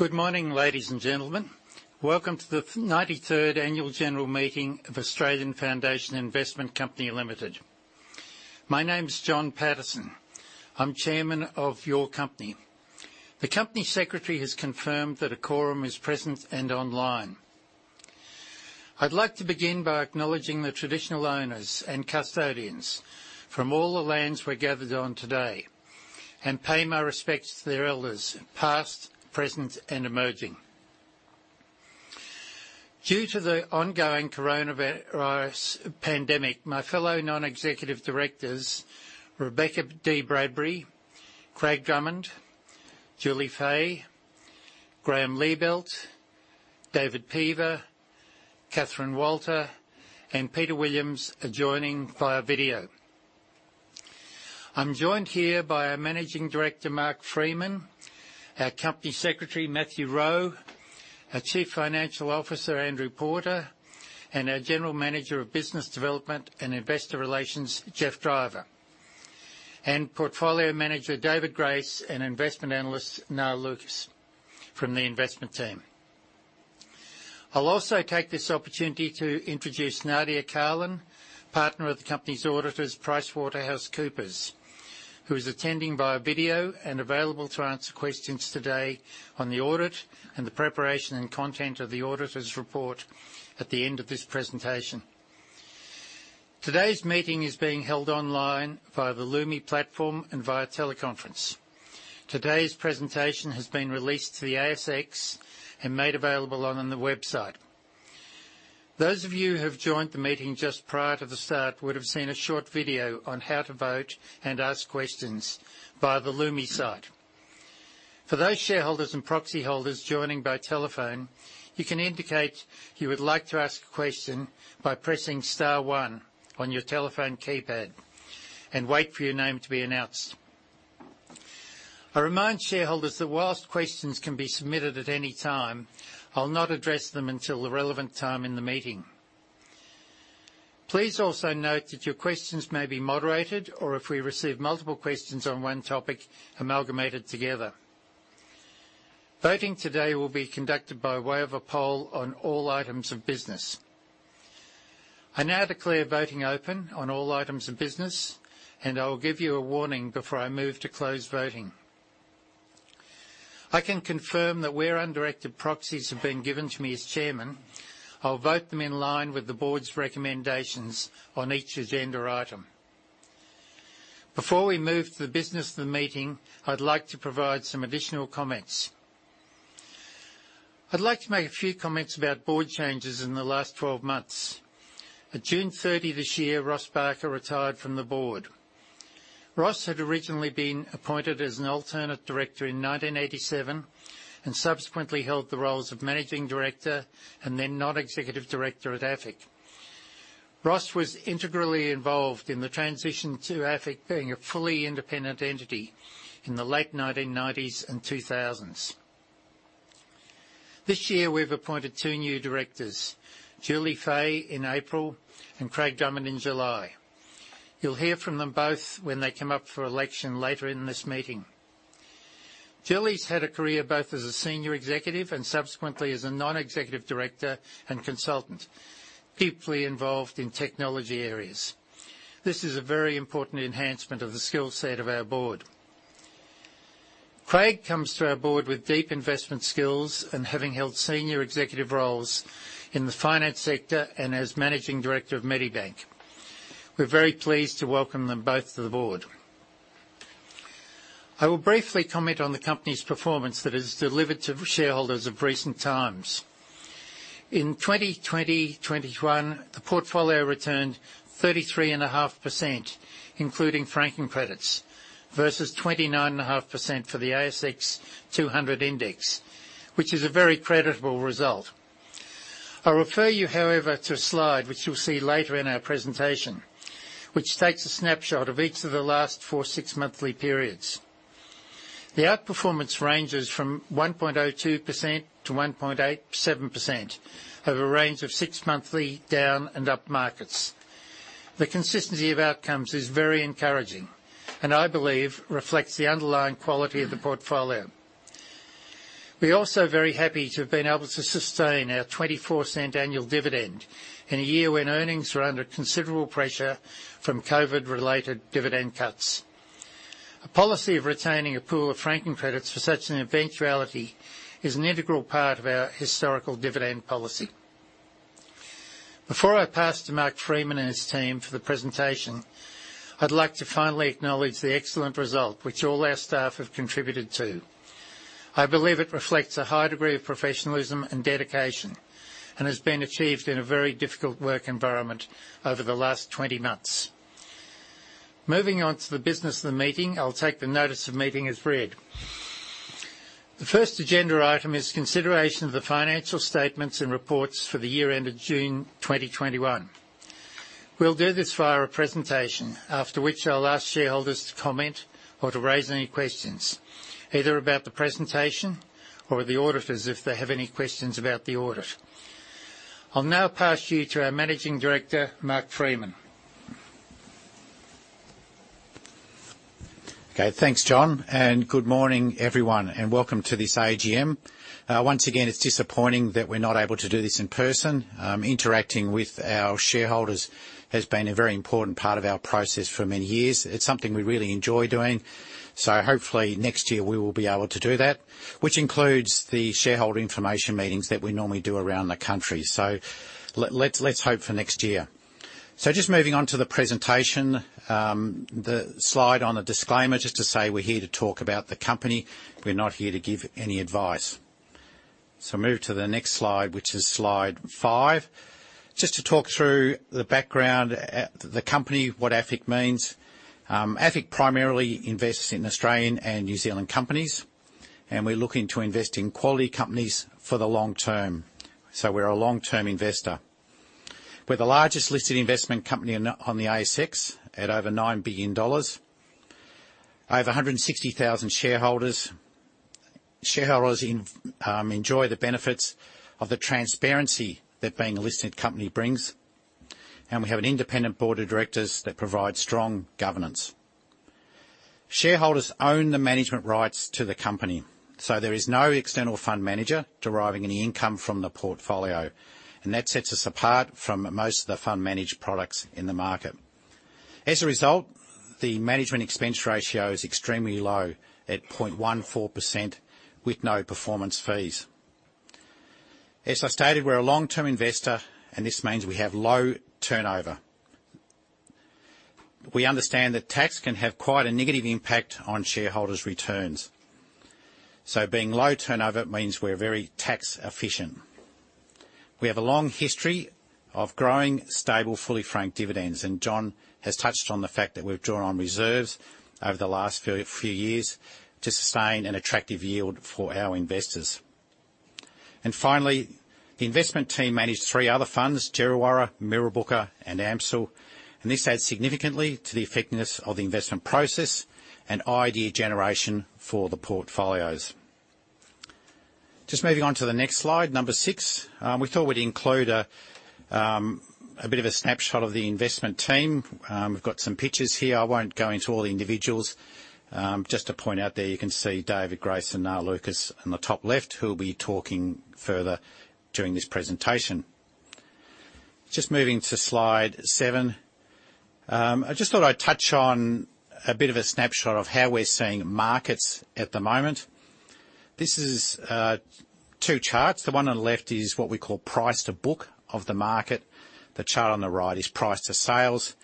Good morning, ladies and gentlemen. Welcome to the 93rd annual general meeting of Australian Foundation Investment Company Limited. My name's John Paterson. I'm Chairman of your company. The Company Secretary has confirmed that a quorum is present and online. I'd like to begin by acknowledging the traditional owners and custodians from all the lands we're gathered on today and pay my respects to their elders, past, present, and emerging. Due to the ongoing coronavirus pandemic, my fellow Non-Executive Directors, Rebecca Dee-Bradbury, Craig Drummond, Julie Fahey, Graeme Liebelt, David Peever, Catherine Walter, and Peter Williams are joining via video. I'm joined here by our Managing Director, Mark Freeman, our Company Secretary, Matthew Rowe, our Chief Financial Officer, Andrew Porter, and our General Manager of Business Development and Investor Relations, Geoff Driver, and Portfolio Manager, David Grace, and Investment Analyst, Niall Lucas, from the investment team. I'll also take this opportunity to introduce Nadia Carlin, partner of the company's auditors, PricewaterhouseCoopers, who is attending via video and available to answer questions today on the audit and the preparation and content of the auditor's report at the end of this presentation. Today's meeting is being held online via the Lumi platform and via teleconference. Today's presentation has been released to the ASX and made available on the website. Those of you who have joined the meeting just prior to the start would have seen a short video on how to vote and ask questions via the Lumi site. For those shareholders and proxy holders joining by telephone, you can indicate you would like to ask a question by pressing star one on your telephone keypad and wait for your name to be announced. I remind shareholders that while questions can be submitted at any time, I'll not address them until the relevant time in the meeting. Please also note that your questions may be moderated, or if we receive multiple questions on one topic, amalgamated together. Voting today will be conducted by way of a poll on all items of business. I now declare voting open on all items of business. I will give you a warning before I move to close voting. I can confirm that where undirected proxies have been given to me as Chairman, I'll vote them in line with the board's recommendations on each agenda item. Before we move to the business of the meeting, I'd like to provide some additional comments. I'd like to make a few comments about board changes in the last 12 months. At June 30 this year, Ross Barker retired from the board. Ross had originally been appointed as an alternate director in 1987, and subsequently held the roles of managing director and then non-executive director at AFIC. Ross was integrally involved in the transition to AFIC being a fully independent entity in the late 1990s and 2000s. This year, we've appointed two new directors, Julie Fahey in April and Craig Drummond in July. You'll hear from them both when they come up for election later in this meeting. Julie's had a career both as a senior executive and subsequently as a non-executive director and consultant, deeply involved in technology areas. This is a very important enhancement of the skill set of our board. Craig comes to our board with deep investment skills and having held senior executive roles in the finance sector and as managing director of Medibank. We're very pleased to welcome them both to the board. I will briefly comment on the company's performance that is delivered to shareholders of recent times. In 2020-2021, the portfolio returned 33.5%, including franking credits, versus 29.5% for the ASX 200 index, which is a very creditable result. I refer you, however, to a slide which you'll see later in our presentation, which takes a snapshot of each of the last four six-monthly periods. The outperformance ranges from 1.02%-1.87% over a range of six-monthly down and up markets. The consistency of outcomes is very encouraging and I believe reflects the underlying quality of the portfolio. We're also very happy to have been able to sustain our 0.24 annual dividend in a year when earnings were under considerable pressure from COVID-related dividend cuts. A policy of retaining a pool of franking credits for such an eventuality is an integral part of our historical dividend policy. Before I pass to Mark Freeman and his team for the presentation, I'd like to finally acknowledge the excellent result which all our staff have contributed to. I believe it reflects a high degree of professionalism and dedication and has been achieved in a very difficult work environment over the last 20 months. Moving on to the business of the meeting, I'll take the notice of meeting as read. The first agenda item is consideration of the financial statements and reports for the year ended June 2021. We'll do this via a presentation, after which I'll ask shareholders to comment or to raise any questions, either about the presentation or the auditors if they have any questions about the audit. I'll now pass you to our managing director, Mark Freeman. Okay. Thanks, John Paterson, good morning, everyone, and welcome to this AGM. Once again, it's disappointing that we're not able to do this in person. Interacting with our shareholders has been a very important part of our process for many years. It's something we really enjoy doing, hopefully next year we will be able to do that, which includes the shareholder information meetings that we normally do around the country. Let's hope for next year. Just moving on to the presentation, the slide on the disclaimer, just to say we're here to talk about the company. We're not here to give any advice. Move to the next slide, which is slide five. Just to talk through the background, the company, what AFIC means. AFIC primarily invests in Australian and New Zealand companies, we're looking to invest in quality companies for the long term. We're a long-term investor. We're the largest listed investment company on the ASX at over 9 billion dollars. Over 160,000 shareholders. Shareholders enjoy the benefits of the transparency that being a listed company brings. We have an independent board of directors that provide strong governance. Shareholders own the management rights to the company, there is no external fund manager deriving any income from the portfolio, that sets us apart from most of the fund managed products in the market. As a result, the management expense ratio is extremely low at 0.14% with no performance fees. As I stated, we're a long-term investor, this means we have low turnover. We understand that tax can have quite a negative impact on shareholders' returns. Being low turnover it means we're very tax efficient. We have a long history of growing stable, fully franked dividends. John has touched on the fact that we've drawn on reserves over the last few years to sustain an attractive yield for our investors. Finally, the investment team managed three other funds, Djerriwarrh, Mirrabooka, and AMCIL, and this adds significantly to the effectiveness of the investment process and idea generation for the portfolios. Just moving on to the next slide, number six. We thought we'd include a bit of a snapshot of the investment team. We've got some pictures here. I won't go into all the individuals. Just to point out there, you can see David Grace and Niall Lucas in the top left who'll be talking further during this presentation. Just moving to slide seven. I just thought I'd touch on a bit of a snapshot of how we're seeing markets at the moment. This is two charts. The one on the left is what we call price to book of the market. The chart on the right is price to sales.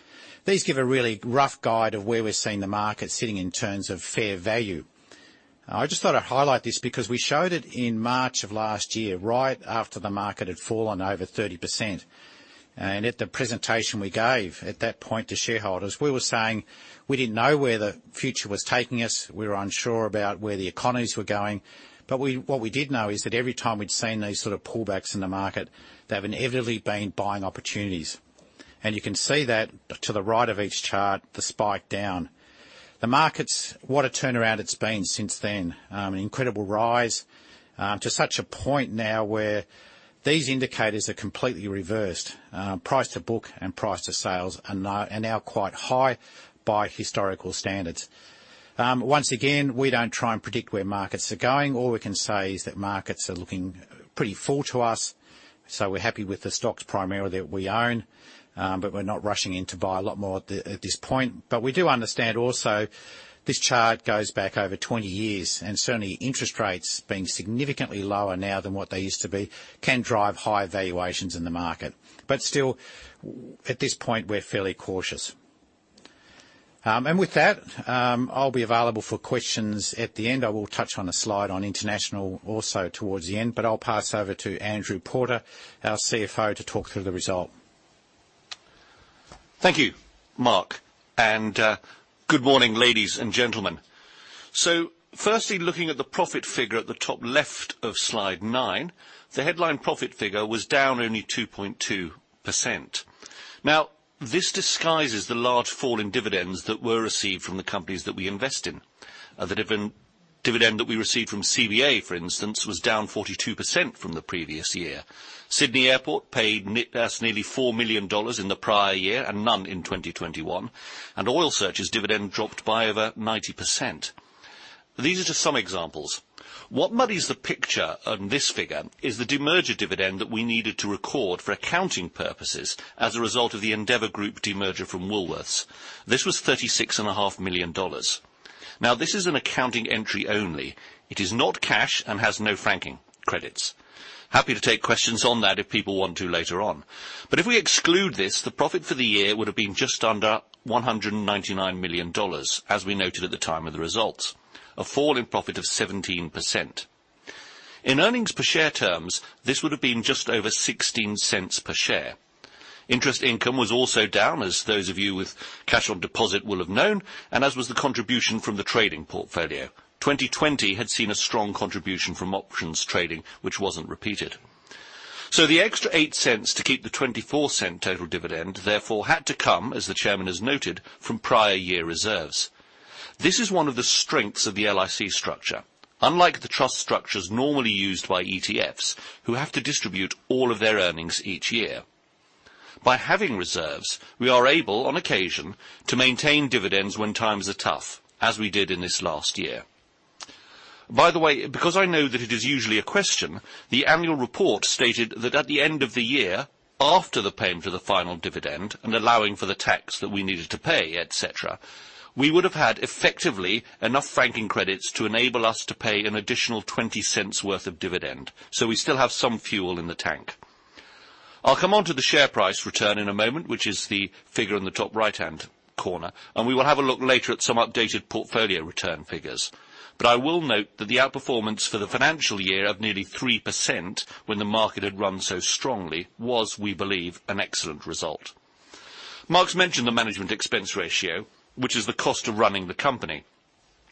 These give a really rough guide of where we're seeing the market sitting in terms of fair value. I just thought I'd highlight this because we showed it in March of last year, right after the market had fallen over 30%. At the presentation we gave at that point to shareholders, we were saying we didn't know where the future was taking us. We were unsure about where the economies were going. What we did know is that every time we'd seen these sort of pullbacks in the market, they have inevitably been buying opportunities. You can see that to the right of each chart, the spike down. The markets, what a turnaround it's been since then. An incredible rise, to such a point now where these indicators are completely reversed. Price to book and price to sales are now quite high by historical standards. Once again, we don't try and predict where markets are going. All we can say is that markets are looking pretty full to us, so we're happy with the stocks primarily that we own. We're not rushing in to buy a lot more at this point. We do understand also this chart goes back over 20 years, and certainly interest rates being significantly lower now than what they used to be can drive high valuations in the market. Still, at this point, we're fairly cautious. With that, I'll be available for questions at the end. I will touch on a slide on international also towards the end, but I will pass over to Andrew Porter, our CFO, to talk through the result. Thank you, Mark, and good morning, ladies and gentlemen. Firstly, looking at the profit figure at the top left of slide nine, the headline profit figure was down only 2.2%. This disguises the large fall in dividends that were received from the companies that we invest in. The dividend that we received from CBA, for instance, was down 42% from the previous year. Sydney Airport paid nearly 4 million dollars in the prior year and none in 2021, and Oil Search's dividend dropped by over 90%. These are just some examples. What muddies the picture on this figure is the demerger dividend that we needed to record for accounting purposes as a result of the Endeavour Group demerger from Woolworths. This was 36.5 million dollars. This is an accounting entry only. It is not cash and has no franking credits. Happy to take questions on that if people want to later on. If we exclude this, the profit for the year would have been just under 199 million dollars, as we noted at the time of the results. A fall in profit of 17%. In earnings per share terms, this would have been just over 0.16 per share. Interest income was also down, as those of you with cash on deposit will have known, and as was the contribution from the trading portfolio. 2020 had seen a strong contribution from options trading, which wasn't repeated. The extra 0.08 to keep the 0.24 total dividend, therefore had to come, as the Chairman has noted, from prior year reserves. This is one of the strengths of the LIC structure. Unlike the trust structures normally used by ETFs who have to distribute all of their earnings each year. By having reserves, we are able, on occasion, to maintain dividends when times are tough, as we did in this last year. By the way, because I know that it is usually a question, the annual report stated that at the end of the year, after the payment of the final dividend and allowing for the tax that we needed to pay, et cetera, we would have had effectively enough franking credits to enable us to pay an additional 0.20 worth of dividend. We still have some fuel in the tank. I'll come on to the share price return in a moment, which is the figure on the top right-hand corner, and we will have a look later at some updated portfolio return figures. I will note that the outperformance for the financial year of nearly 3% when the market had run so strongly was, we believe, an excellent result. Mark's mentioned the management expense ratio, which is the cost of running the company.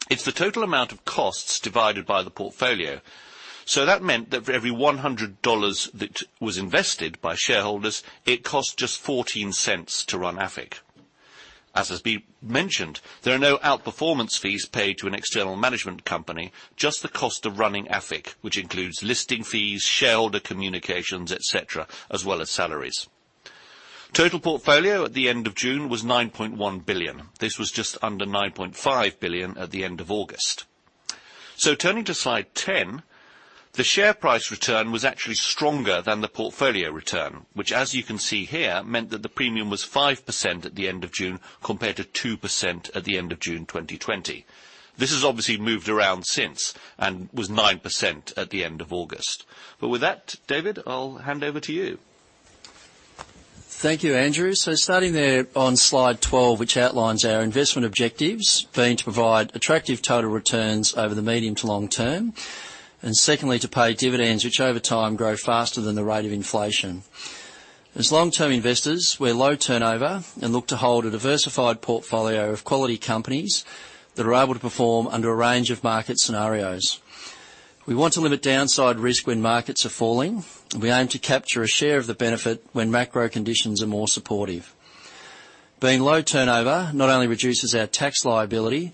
It's the total amount of costs divided by the portfolio. That meant that for every 100 dollars that was invested by shareholders, it cost just 0.14 to run AFIC. As has been mentioned, there are no outperformance fees paid to an external management company, just the cost of running AFIC, which includes listing fees, shareholder communications, et cetera, as well as salaries. Total portfolio at the end of June was 9.1 billion. This was just under 9.5 billion at the end of August. Turning to slide 10, the share price return was actually stronger than the portfolio return, which as you can see here, meant that the premium was 5% at the end of June, compared to 2% at the end of June 2020. This has obviously moved around since and was 9% at the end of August. With that, David, I'll hand over to you. Thank you, Andrew. Starting there on slide 12, which outlines our investment objectives, being to provide attractive total returns over the medium to long term, and secondly, to pay dividends, which over time grow faster than the rate of inflation. As long-term investors, we're low turnover and look to hold a diversified portfolio of quality companies that are able to perform under a range of market scenarios. We want to limit downside risk when markets are falling. We aim to capture a share of the benefit when macro conditions are more supportive. Being low turnover not only reduces our tax liability,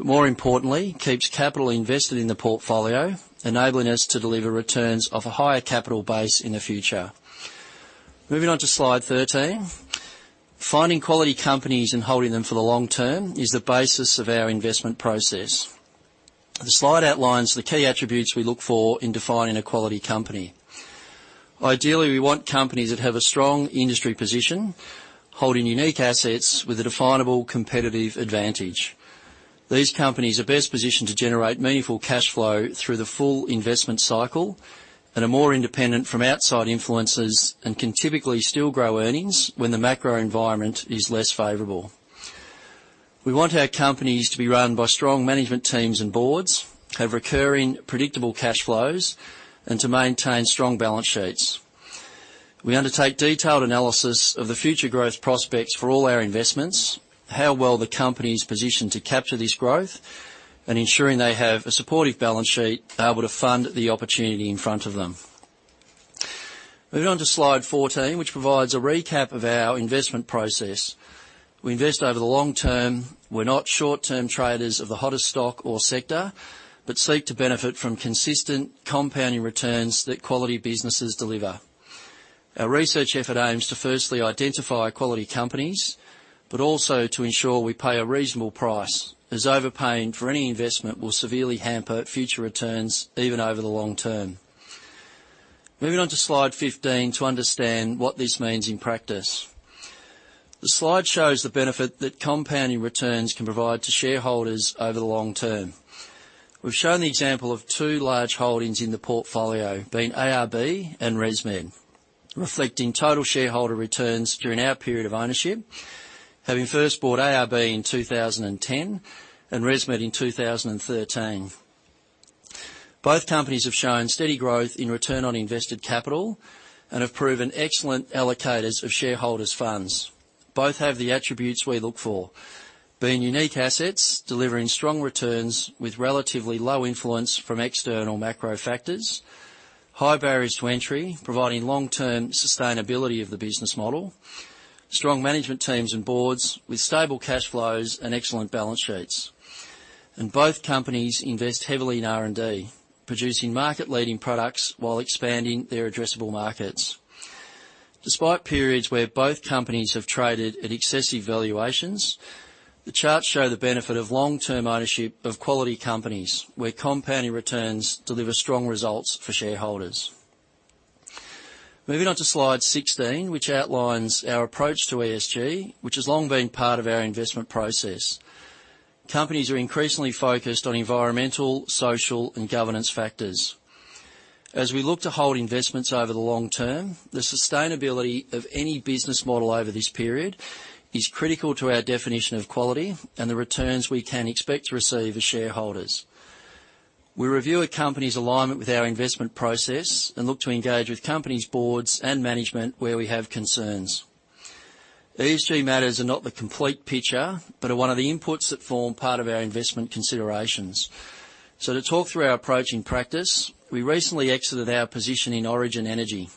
but more importantly, keeps capital invested in the portfolio, enabling us to deliver returns of a higher capital base in the future. Moving on to slide 13. Finding quality companies and holding them for the long term is the basis of our investment process. The slide outlines the key attributes we look for in defining a quality company. Ideally, we want companies that have a strong industry position, holding unique assets with a definable competitive advantage. These companies are best positioned to generate meaningful cash flow through the full investment cycle and are more independent from outside influences and can typically still grow earnings when the macro environment is less favorable. We want our companies to be run by strong management teams and boards, have recurring predictable cash flows, and to maintain strong balance sheets. We undertake detailed analysis of the future growth prospects for all our investments, how well the company is positioned to capture this growth, and ensuring they have a supportive balance sheet able to fund the opportunity in front of them. Moving on to slide 14, which provides a recap of our investment process. We invest over the long term. We're not short-term traders of the hottest stock or sector, seek to benefit from consistent compounding returns that quality businesses deliver. Our research effort aims to firstly identify quality companies, also to ensure we pay a reasonable price, as overpaying for any investment will severely hamper future returns, even over the long term. Moving on to slide 15 to understand what this means in practice. The slide shows the benefit that compounding returns can provide to shareholders over the long term. We've shown the example of two large holdings in the portfolio, being ARB and ResMed, reflecting total shareholder returns during our period of ownership, having first bought ARB in 2010 and ResMed in 2013. Both companies have shown steady growth in return on invested capital and have proven excellent allocators of shareholders' funds. Both have the attributes we look for, being unique assets, delivering strong returns with relatively low influence from external macro factors, high barriers to entry, providing long-term sustainability of the business model, strong management teams and boards with stable cash flows and excellent balance sheets. Both companies invest heavily in R&D, producing market-leading products while expanding their addressable markets. Despite periods where both companies have traded at excessive valuations, the charts show the benefit of long-term ownership of quality companies, where compounding returns deliver strong results for shareholders. Moving on to slide 16, which outlines our approach to ESG, which has long been part of our investment process. Companies are increasingly focused on environmental, social, and governance factors. As we look to hold investments over the long term, the sustainability of any business model over this period is critical to our definition of quality and the returns we can expect to receive as shareholders. We review a company's alignment with our investment process and look to engage with companies' boards and management where we have concerns. ESG matters are not the complete picture, but are one of the inputs that form part of our investment considerations. To talk through our approach in practice, we recently exited our position in Origin Energy,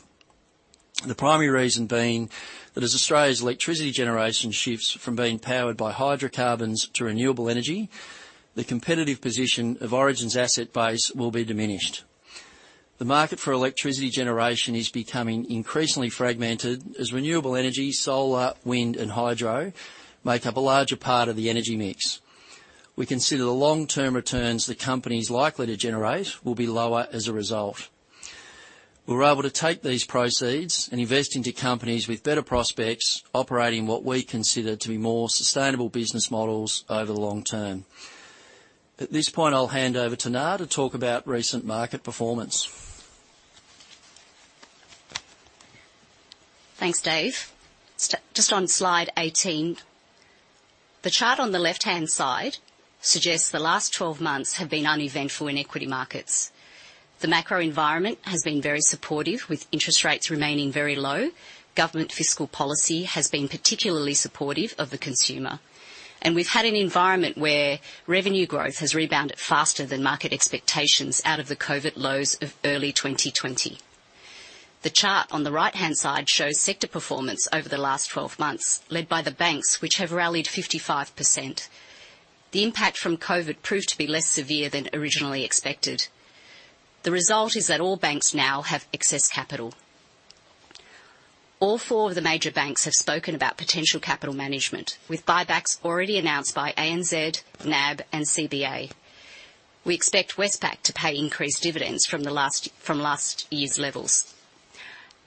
the primary reason being that as Australia's electricity generation shifts from being powered by hydrocarbons to renewable energy, the competitive position of Origin's asset base will be diminished. The market for electricity generation is becoming increasingly fragmented as renewable energy, solar, wind, and hydro make up a larger part of the energy mix. We consider the long-term returns the company's likely to generate will be lower as a result. We're able to take these proceeds and invest into companies with better prospects operating what we consider to be more sustainable business models over the long term. At this point, I'll hand over to Niall to talk about recent market performance. Thanks, David Grace. Just on slide 18, the chart on the left-hand side suggests the last 12 months have been uneventful in equity markets. The macro environment has been very supportive with interest rates remaining very low, government fiscal policy has been particularly supportive of the consumer. We've had an environment where revenue growth has rebounded faster than market expectations out of the COVID lows of early 2020. The chart on the right-hand side shows sector performance over the last 12 months, led by the banks, which have rallied 55%. The impact from COVID proved to be less severe than originally expected. The result is that all banks now have excess capital. All four of the major banks have spoken about potential capital management, with buybacks already announced by ANZ, NAB, and CBA. We expect Westpac to pay increased dividends from last year's levels.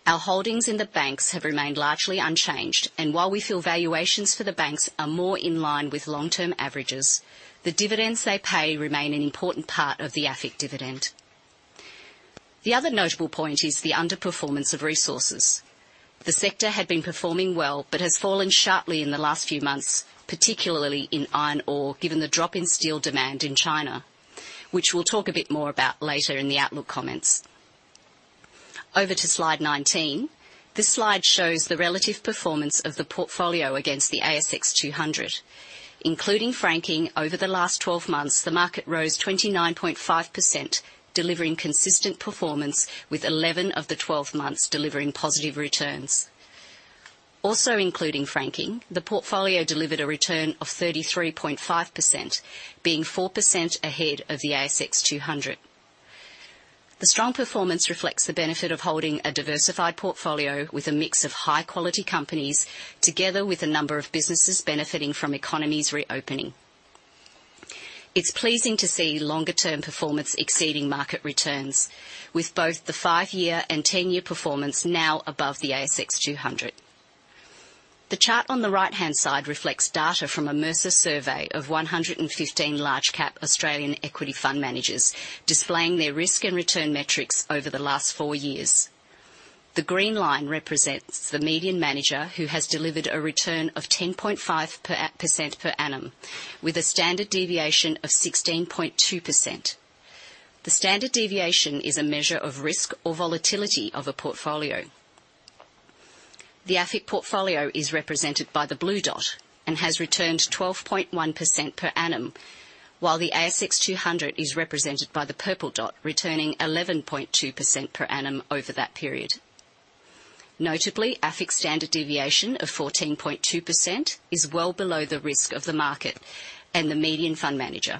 Our holdings in the banks have remained largely unchanged, and while we feel valuations for the banks are more in line with long-term averages, the dividends they pay remain an important part of the AFIC dividend. The other notable point is the underperformance of resources. The sector had been performing well but has fallen sharply in the last few months, particularly in iron ore, given the drop in steel demand in China, which we'll talk a bit more about later in the outlook comments. Over to slide 19. This slide shows the relative performance of the portfolio against the ASX 200. Including franking over the last 12 months, the market rose 29.5%, delivering consistent performance with 11 of the 12 months delivering positive returns. Also including franking, the portfolio delivered a return of 33.5%, being 4% ahead of the ASX 200. The strong performance reflects the benefit of holding a diversified portfolio with a mix of high-quality companies, together with a number of businesses benefiting from economies reopening. It's pleasing to see longer-term performance exceeding market returns, with both the five-year and 10-year performance now above the ASX 200. The chart on the right-hand side reflects data from a Mercer survey of 115 large-cap Australian equity fund managers, displaying their risk and return metrics over the last four years. The green line represents the median manager who has delivered a return of 10.5% per annum with a standard deviation of 16.2%. The standard deviation is a measure of risk or volatility of a portfolio. The AFIC portfolio is represented by the blue dot and has returned 12.1% per annum, while the ASX 200 is represented by the purple dot, returning 11.2% per annum over that period. Notably, AFIC's standard deviation of 14.2% is well below the risk of the market and the median fund manager.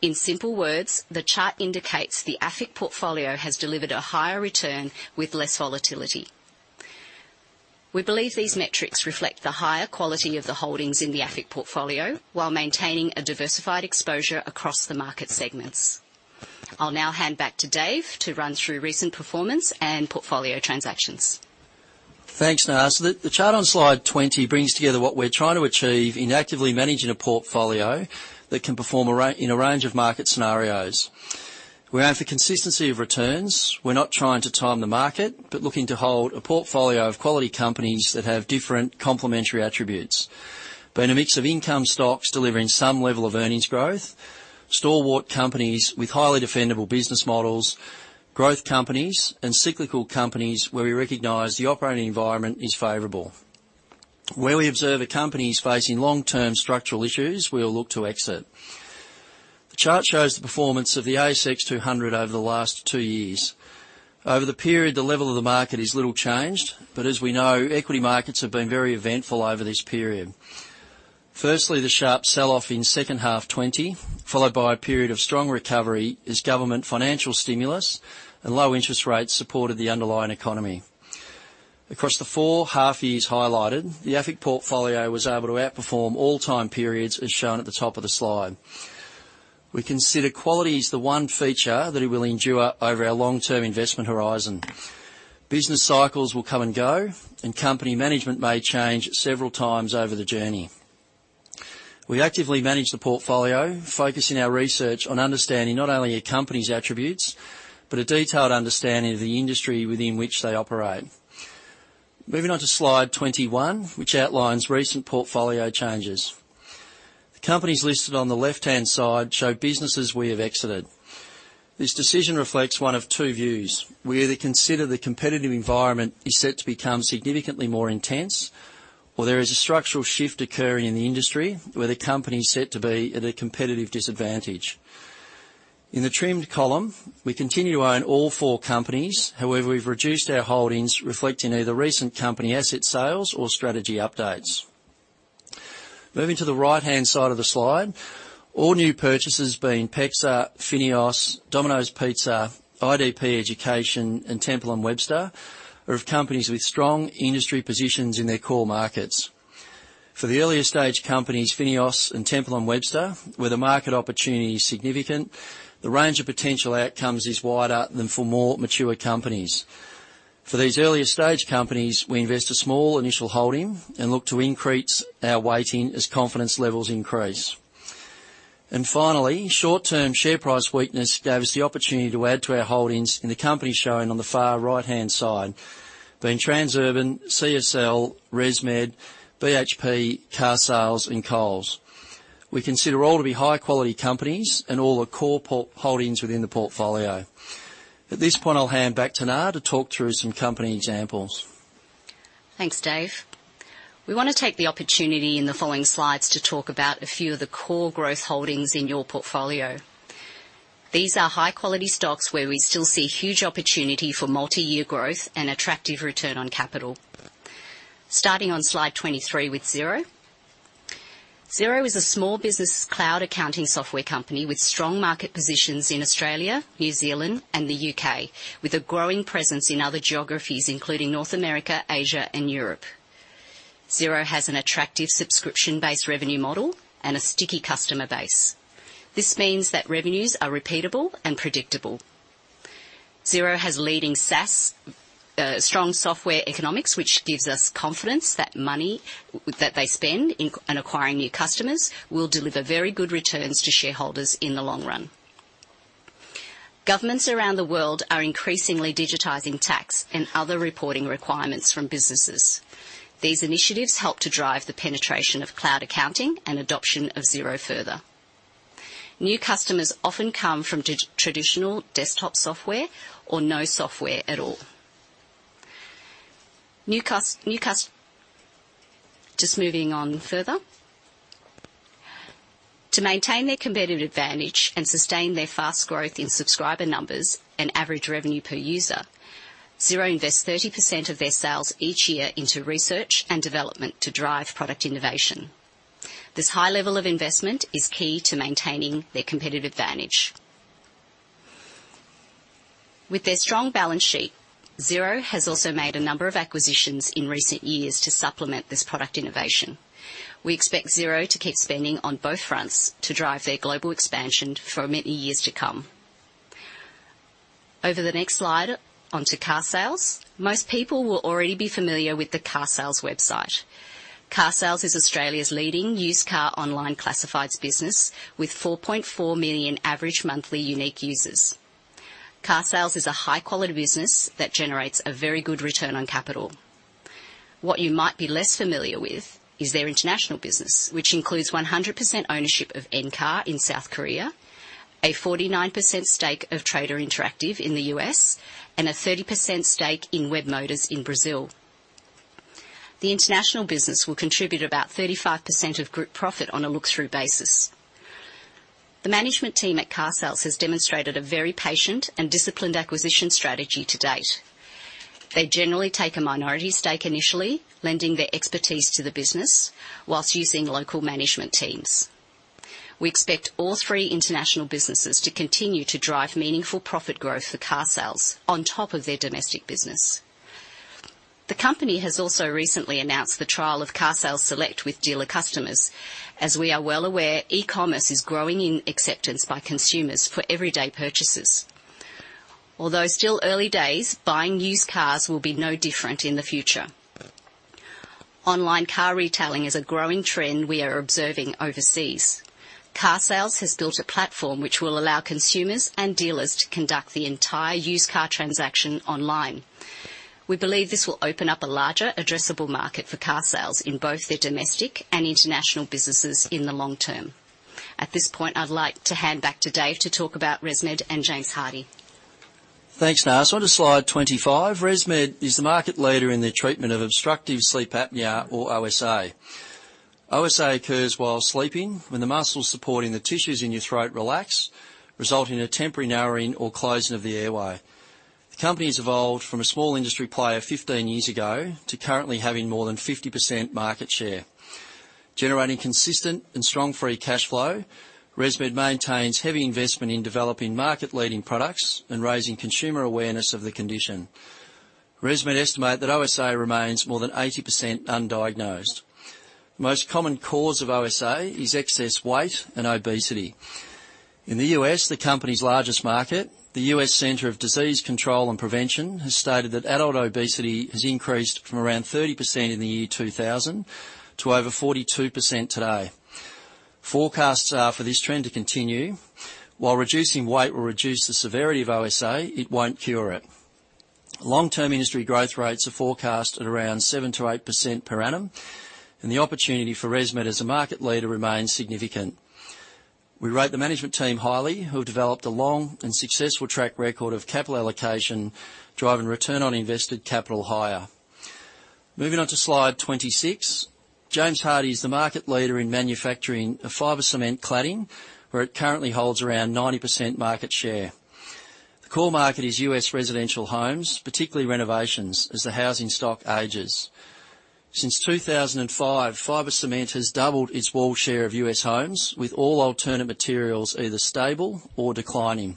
In simple words, the chart indicates the AFIC portfolio has delivered a higher return with less volatility. We believe these metrics reflect the higher quality of the holdings in the AFIC portfolio while maintaining a diversified exposure across the market segments. I'll now hand back to Dave to run through recent performance and portfolio transactions. Thanks, Niall. The chart on slide 20 brings together what we're trying to achieve in actively managing a portfolio that can perform in a range of market scenarios. We're out for consistency of returns. We're not trying to time the market, looking to hold a portfolio of quality companies that have different complementary attributes. In a mix of income stocks delivering some level of earnings growth, stalwart companies with highly defendable business models, growth companies, and cyclical companies where we recognize the operating environment is favorable. Where we observe a company's facing long-term structural issues, we will look to exit. The chart shows the performance of the ASX 200 over the last two years. Over the period, the level of the market is little changed, as we know, equity markets have been very eventful over this period. The sharp sell-off in second half 2020, followed by a period of strong recovery as government financial stimulus and low interest rates supported the underlying economy. Across the four half-years highlighted, the AFIC portfolio was able to outperform all time periods as shown at the top of the slide. We consider quality is the one feature that it will endure over our long-term investment horizon. Business cycles will come and go, and company management may change several times over the journey. We actively manage the portfolio, focusing our research on understanding not only a company's attributes, but a detailed understanding of the industry within which they operate. Moving on to slide 21, which outlines recent portfolio changes. The companies listed on the left-hand side show businesses we have exited. This decision reflects one of two views. We either consider the competitive environment is set to become significantly more intense, or there is a structural shift occurring in the industry where the company's set to be at a competitive disadvantage. In the trimmed column, we continue to own all four companies. However, we've reduced our holdings reflecting either recent company asset sales or strategy updates. Moving to the right-hand side of the slide. All new purchases being PEXA, FINEOS, Domino's Pizza, IDP Education, and Temple & Webster, are of companies with strong industry positions in their core markets. For the earlier stage companies, FINEOS and Temple & Webster, where the market opportunity is significant, the range of potential outcomes is wider than for more mature companies. For these earlier stage companies, we invest a small initial holding and look to increase our weighting as confidence levels increase. Finally, short-term share price weakness gave us the opportunity to add to our holdings in the company shown on the far right-hand side, being Transurban, CSL, ResMed, BHP, Carsales, and Coles. We consider all to be high quality companies and all are core holdings within the portfolio. At this point, I'll hand back to Niall to talk through some company examples. Thanks, Dave. We want to take the opportunity in the following slides to talk about a few of the core growth holdings in your portfolio. These are high-quality stocks where we still see huge opportunity for multi-year growth and attractive return on capital. Starting on slide 23 with Xero. Xero is a small business cloud accounting software company with strong market positions in Australia, New Zealand, and the U.K., with a growing presence in other geographies, including North America, Asia, and Europe. Xero has an attractive subscription-based revenue model and a sticky customer base. This means that revenues are repeatable and predictable. Xero has leading SaaS strong software economics, which gives us confidence that money that they spend in acquiring new customers will deliver very good returns to shareholders in the long run. Governments around the world are increasingly digitizing tax and other reporting requirements from businesses. These initiatives help to drive the penetration of cloud accounting and adoption of Xero further. New customers often come from traditional desktop software or no software at all. Just moving on further. To maintain their competitive advantage and sustain their fast growth in subscriber numbers and average revenue per user, Xero invest 30% of their sales each year into research and development to drive product innovation. This high level of investment is key to maintaining their competitive advantage. With their strong balance sheet, Xero has also made a number of acquisitions in recent years to supplement this product innovation. We expect Xero to keep spending on both fronts to drive their global expansion for many years to come. Over the next slide, onto Carsales. Most people will already be familiar with the Carsales website. Carsales is Australia's leading used car online classifieds business, with 4.4 million average monthly unique users. Carsales is a high-quality business that generates a very good return on capital. What you might be less familiar with is their international business, which includes 100% ownership of Encar in South Korea, a 49% stake of Trader Interactive in the U.S., and a 30% stake in Webmotors in Brazil. The international business will contribute about 35% of group profit on a look-through basis. The management team at Carsales has demonstrated a very patient and disciplined acquisition strategy to date. They generally take a minority stake initially, lending their expertise to the business while using local management teams. We expect all three international businesses to continue to drive meaningful profit growth for Carsales on top of their domestic business. The company has also recently announced the trial of carsales SELECT with dealer customers. As we are well aware, e-commerce is growing in acceptance by consumers for everyday purchases. Although still early days, buying used cars will be no different in the future. Online car retailing is a growing trend we are observing overseas. Carsales has built a platform which will allow consumers and dealers to conduct the entire used car transaction online. We believe this will open up a larger addressable market for Carsales in both their domestic and international businesses in the long term. At this point, I'd like to hand back to Dave to talk about ResMed and James Hardie. Thanks, Niall. On to slide 25. ResMed is the market leader in the treatment of obstructive sleep apnea or OSA. OSA occurs while sleeping when the muscles supporting the tissues in your throat relax, resulting in a temporary narrowing or closing of the airway. The company has evolved from a small industry player 15 years ago to currently having more than 50% market share. Generating consistent and strong free cash flow, ResMed maintains heavy investment in developing market leading products and raising consumer awareness of the condition. ResMed estimate that OSA remains more than 80% undiagnosed. Most common cause of OSA is excess weight and obesity. In the U.S., the company's largest market, the U.S. Centers for Disease Control and Prevention has stated that adult obesity has increased from around 30% in the year 2000 to over 42% today. Forecasts are for this trend to continue. While reducing weight will reduce the severity of OSA, it won't cure it. Long-term industry growth rates are forecast at around 7%-8% per annum, and the opportunity for ResMed as a market leader remains significant. We rate the management team highly, who have developed a long and successful track record of capital allocation, driving return on invested capital higher. Moving on to slide 26. James Hardie is the market leader in manufacturing of fiber cement cladding, where it currently holds around 90% market share. The core market is U.S. residential homes, particularly renovations as the housing stock ages. Since 2005, fiber cement has doubled its wall share of U.S. homes, with all alternate materials either stable or declining.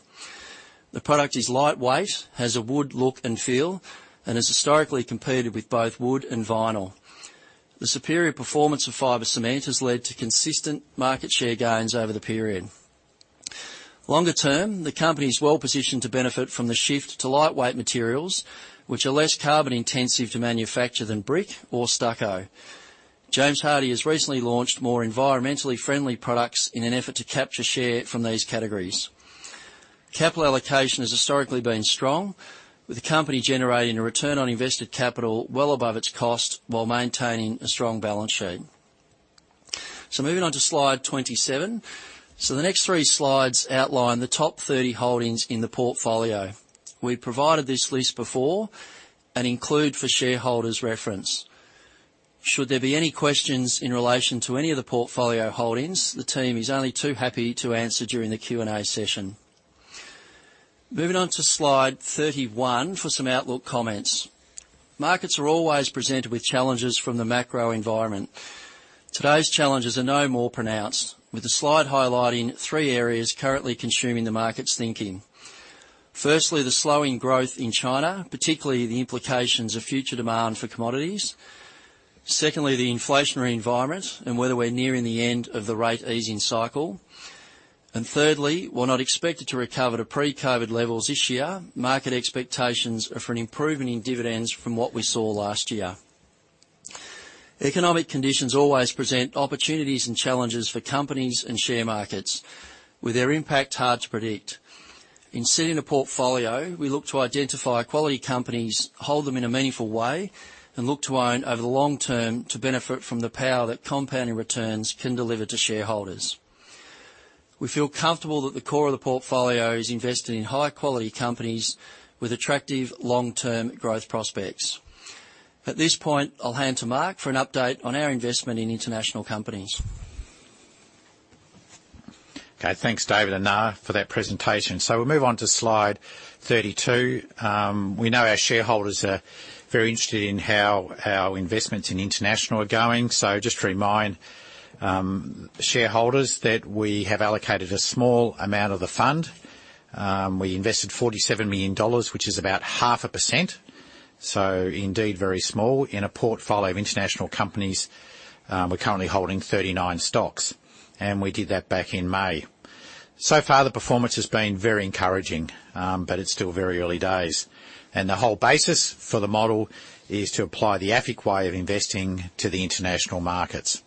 The product is lightweight, has a wood look and feel, and has historically competed with both wood and vinyl. The superior performance of fiber cement has led to consistent market share gains over the period. Longer term, the company is well-positioned to benefit from the shift to lightweight materials, which are less carbon intensive to manufacture than brick or stucco. James Hardie has recently launched more environmentally friendly products in an effort to capture share from these categories. Capital allocation has historically been strong, with the company generating a return on invested capital well above its cost while maintaining a strong balance sheet. Moving on to slide 27. The next three slides outline the top 30 holdings in the portfolio. We've provided this list before and include for shareholders' reference. Should there be any questions in relation to any of the portfolio holdings, the team is only too happy to answer during the Q&A session. Moving on to slide 31 for some outlook comments. Markets are always presented with challenges from the macro environment. Today's challenges are no more pronounced, with the slide highlighting three areas currently consuming the market's thinking. Firstly, the slowing growth in China, particularly the implications of future demand for commodities. Secondly, the inflationary environment and whether we're nearing the end of the rate easing cycle. Thirdly, while not expected to recover to pre-COVID-19 levels this year, market expectations are for an improvement in dividends from what we saw last year. Economic conditions always present opportunities and challenges for companies and share markets, with their impact hard to predict. In setting a portfolio, we look to identify quality companies, hold them in a meaningful way, and look to own over the long term to benefit from the power that compounding returns can deliver to shareholders. We feel comfortable that the core of the portfolio is invested in high-quality companies with attractive long-term growth prospects. At this point, I'll hand to Mark for an update on our investment in international companies. Okay. Thanks David and Niall for that presentation. We'll move on to slide 32. We know our shareholders are very interested in how our investments in international are going. Just to remind shareholders that we have allocated a small amount of the fund. We invested 47 million dollars, which is about 0.5%, so indeed very small, in a portfolio of international companies. We're currently holding 39 stocks, and we did that back in May. Far, the performance has been very encouraging, but it's still very early days. The whole basis for the model is to apply the AFIC way of investing to the international markets.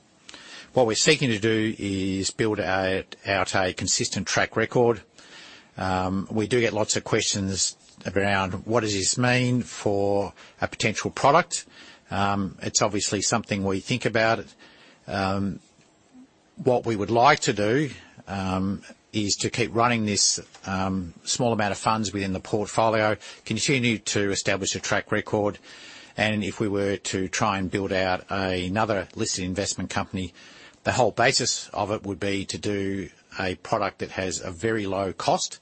What we're seeking to do is build out a consistent track record. We do get lots of questions around what does this mean for a potential product. It's obviously something we think about. What we would like to do is to keep running this small amount of funds within the portfolio, continue to establish a track record, and if we were to try and build out another listed investment company, the whole basis of it would be to do a product that has a very low cost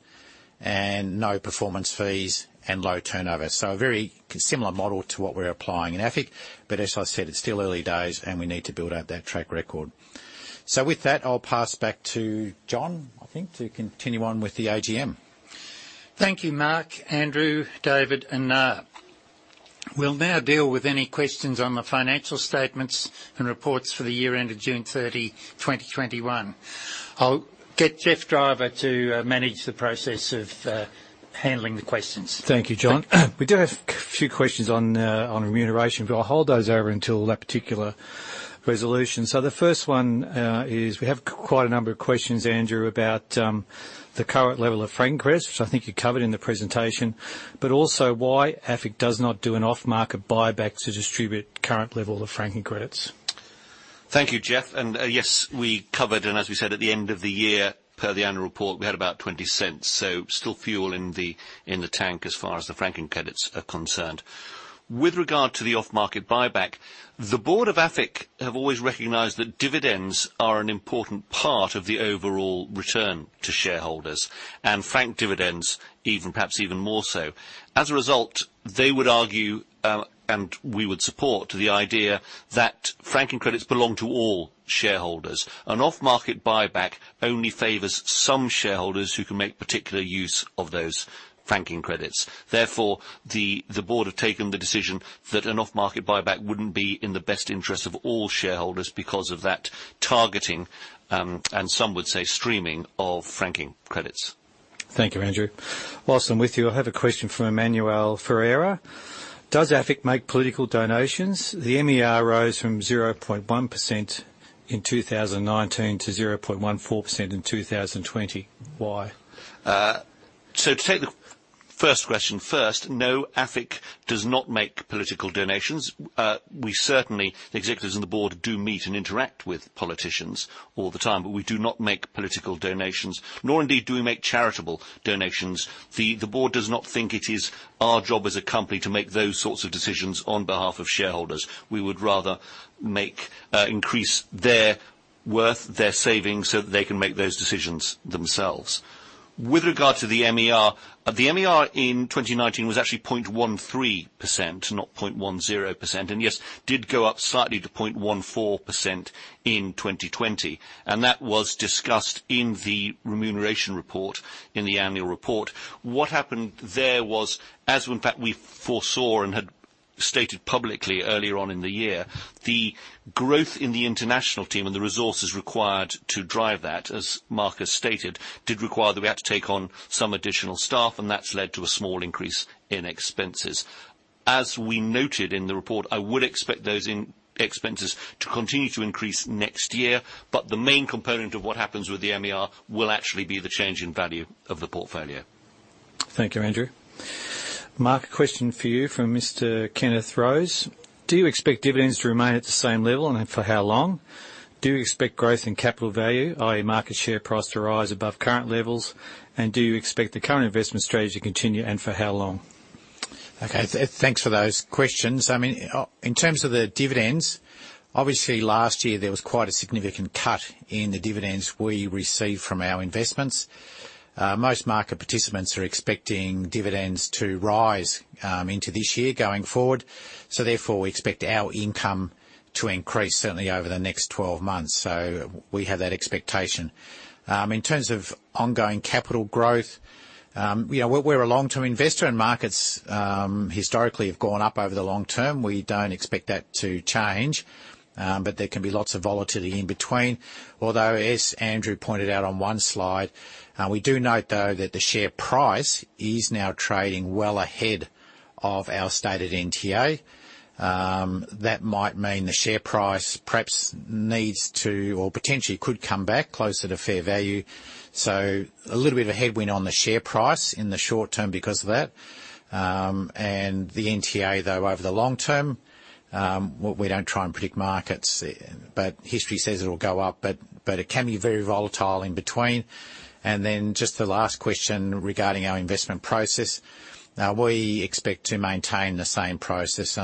and no performance fees and low turnover. A very similar model to what we're applying in AFIC, as I said, it's still early days, and we need to build out that track record. With that, I'll pass back to John, I think, to continue on with the AGM. Thank you Mark, Andrew, David, and Niall Lucas. We'll now deal with any questions on the financial statements and reports for the year ended June 30, 2021. I'll get Geoff Driver to manage the process of handling the questions. Thank you, John. We do have a few questions on remuneration, but I'll hold those over until that particular resolution. The first one is we have quite a number of questions, Andrew, about the current level of franking credits, which I think you covered in the presentation, but also why AFIC does not do an off-market buyback to distribute current level of franking credits. Thank you, Geoff, yes, we covered and as we said at the end of the year, per the annual report, we had about 0.20, so still fuel in the tank as far as the franking credits are concerned. With regard to the off-market buyback, the board of AFIC have always recognized that dividends are an important part of the overall return to shareholders, and franked dividends perhaps even more so. As a result, they would argue, and we would support the idea that franking credits belong to all shareholders. An off-market buyback only favors some shareholders who can make particular use of those franking credits. Therefore, the board have taken the decision that an off-market buyback wouldn't be in the best interest of all shareholders because of that targeting, and some would say streaming of franking credits. Thank you, Andrew. Whilst I'm with you, I have a question from Emmanuel Ferreira. Does AFIC make political donations? The MER rose from 0.1% in 2019 to 0.14% in 2020. Why? To take the first question first, no, AFIC does not make political donations. We certainly, the executives on the board do meet and interact with politicians all the time, but we do not make political donations, nor indeed do we make charitable donations. The board does not think it is our job as a company to make those sorts of decisions on behalf of shareholders. We would rather increase their Worth their savings so that they can make those decisions themselves. With regard to the MER, the MER in 2019 was actually 0.13%, not 0.10%, did go up slightly to 0.14% in 2020, and that was discussed in the remuneration report in the annual report. What happened there was, as in fact we foresaw and had stated publicly earlier on in the year, the growth in the international team and the resources required to drive that, as Mark has stated, did require that we had to take on some additional staff, and that's led to a small increase in expenses. As we noted in the report, I would expect those expenses to continue to increase next year, but the main component of what happens with the MER will actually be the change in value of the portfolio. Thank you, Andrew. Mark, a question for you from Mr Kenneth Rose. "Do you expect dividends to remain at the same level, and then for how long? Do you expect growth in capital value, i.e. market share price to rise above current levels? Do you expect the current investment strategy to continue, and for how long? Okay. Thanks for those questions. In terms of the dividends, obviously last year there was quite a significant cut in the dividends we received from our investments. Most market participants are expecting dividends to rise into this year going forward. Therefore, we expect our income to increase certainly over the next 12 months. We have that expectation. In terms of ongoing capital growth, we're a long-term investor, and markets historically have gone up over the long term. We don't expect that to change. There can be lots of volatility in between. Although, as Andrew pointed out on one slide, we do note though that the share price is now trading well ahead of our stated NTA. That might mean the share price perhaps needs to, or potentially could come back closer to fair value. A little bit of a headwind on the share price in the short term because of that. The NTA though over the long term, we don't try and predict markets, but history says it'll go up, but it can be very volatile in between. Just the last question regarding our investment process. We expect to maintain the same process.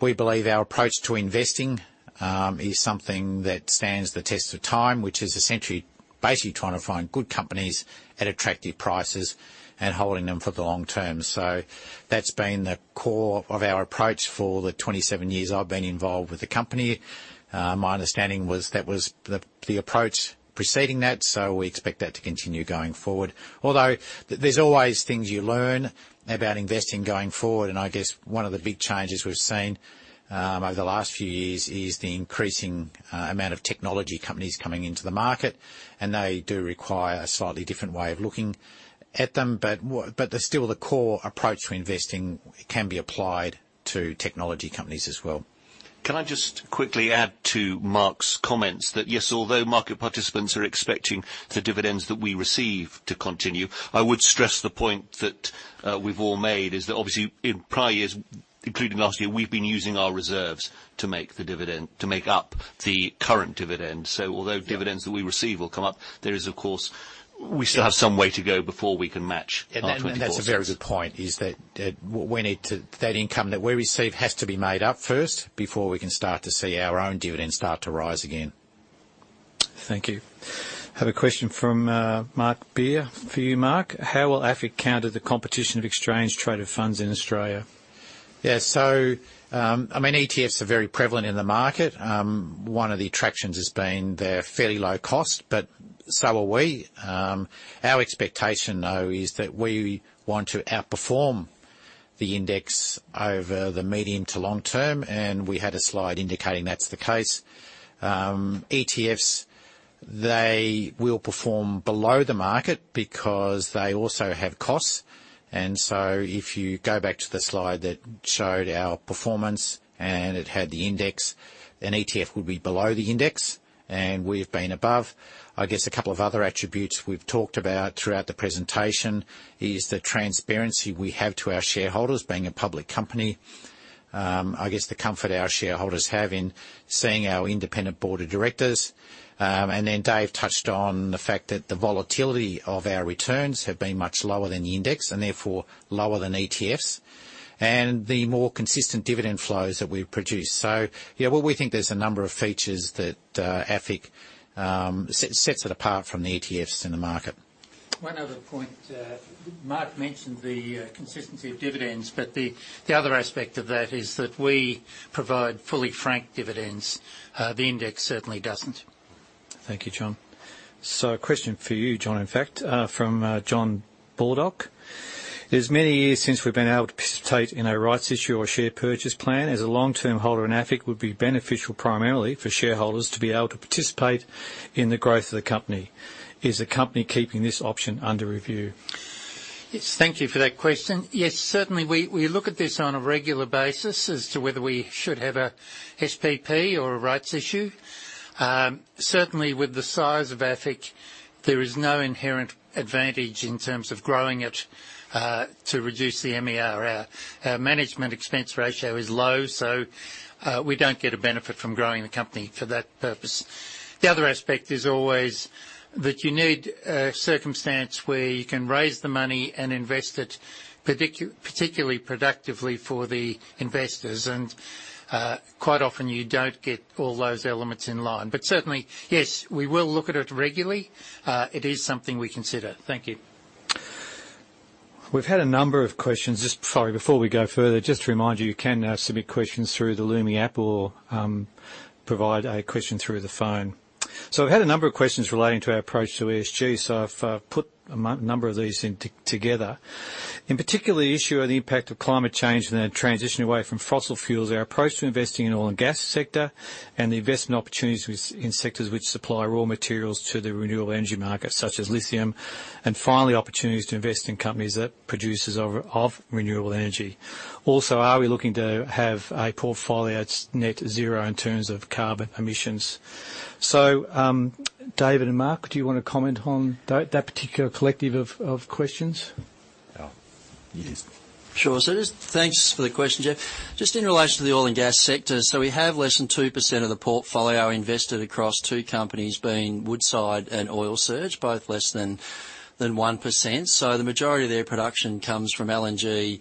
We believe our approach to investing is something that stands the test of time, which is essentially basically trying to find good companies at attractive prices and holding them for the long term. That's been the core of our approach for the 27 years I've been involved with the company. My understanding was that was the approach preceding that, we expect that to continue going forward. There's always things you learn about investing going forward, and I guess one of the big changes we've seen over the last few years is the increasing amount of technology companies coming into the market, and they do require a slightly different way of looking at them. The still the core approach to investing can be applied to technology companies as well. Can I just quickly add to Mark's comments that, yes, although market participants are expecting the dividends that we receive to continue, I would stress the point that we've all made is that obviously in prior years, including last year, we've been using our reserves to make the dividend, to make up the current dividend. Yeah dividends that we receive will come up, there is, of course, we still have some way to go before we can match our 2014. That's a very good point, is that that income that we receive has to be made up first before we can start to see our own dividends start to rise again. Thank you. Have a question from Mark Beer for you, Mark. How will AFIC counter the competition of exchange-traded funds in Australia? Yeah. ETFs are very prevalent in the market. One of the attractions has been their fairly low cost, but so are we. Our expectation, though, is that we want to outperform the index over the medium to long term, and we had a slide indicating that's the case. ETFs, they will perform below the market because they also have costs, and so if you go back to the slide that showed our performance and it had the index, an ETF would be below the index, and we've been above. I guess a couple of other attributes we've talked about throughout the presentation is the transparency we have to our shareholders, being a public company. I guess the comfort our shareholders have in seeing our independent Board of Directors. Dave touched on the fact that the volatility of our returns have been much lower than the index, and therefore lower than ETFs, and the more consistent dividend flows that we produce. Yeah, well, we think there's a number of features that AFIC sets it apart from the ETFs in the market. One other point. Mark mentioned the consistency of dividends, but the other aspect of that is that we provide fully franked dividends. The index certainly doesn't. Thank you, John. A question for you, John, in fact, from John Baldock: "It is many years since we've been able to participate in a rights issue or share purchase plan. As a long-term holder in AFIC, it would be beneficial primarily for shareholders to be able to participate in the growth of the company. Is the company keeping this option under review? Yes, thank you for that question. Yes, certainly, we look at this on a regular basis as to whether we should have a SPP or a rights issue. Certainly with the size of AFIC, there is no inherent advantage in terms of growing it, to reduce the MER. Our management expense ratio is low. We don't get a benefit from growing the company for that purpose. The other aspect is always that you need a circumstance where you can raise the money and invest it particularly productively for the investors. Quite often you don't get all those elements in line. Certainly, yes, we will look at it regularly. It is something we consider. Thank you. We've had a number of questions. Just sorry, before we go further, just to remind you can submit questions through the Lumi App or provide a question through the phone. We've had a number of questions relating to our approach to ESG, so I've put a number of these together. In particular, the issue of the impact of climate change and then a transition away from fossil fuels, our approach to investing in oil and gas sector, and the investment opportunities within sectors which supply raw materials to the renewable energy market, such as lithium. Finally, opportunities to invest in companies that producers of renewable energy. Also, are we looking to have a portfolio net zero in terms of carbon emissions? David and Mark, do you want to comment on that particular collective of questions? Yes. Sure. Thanks for the question, Geoff. In relation to the oil and gas sector, we have less than 2% of the portfolio invested across two companies, being Woodside and Oil Search, both less than 1%. The majority of their production comes from LNG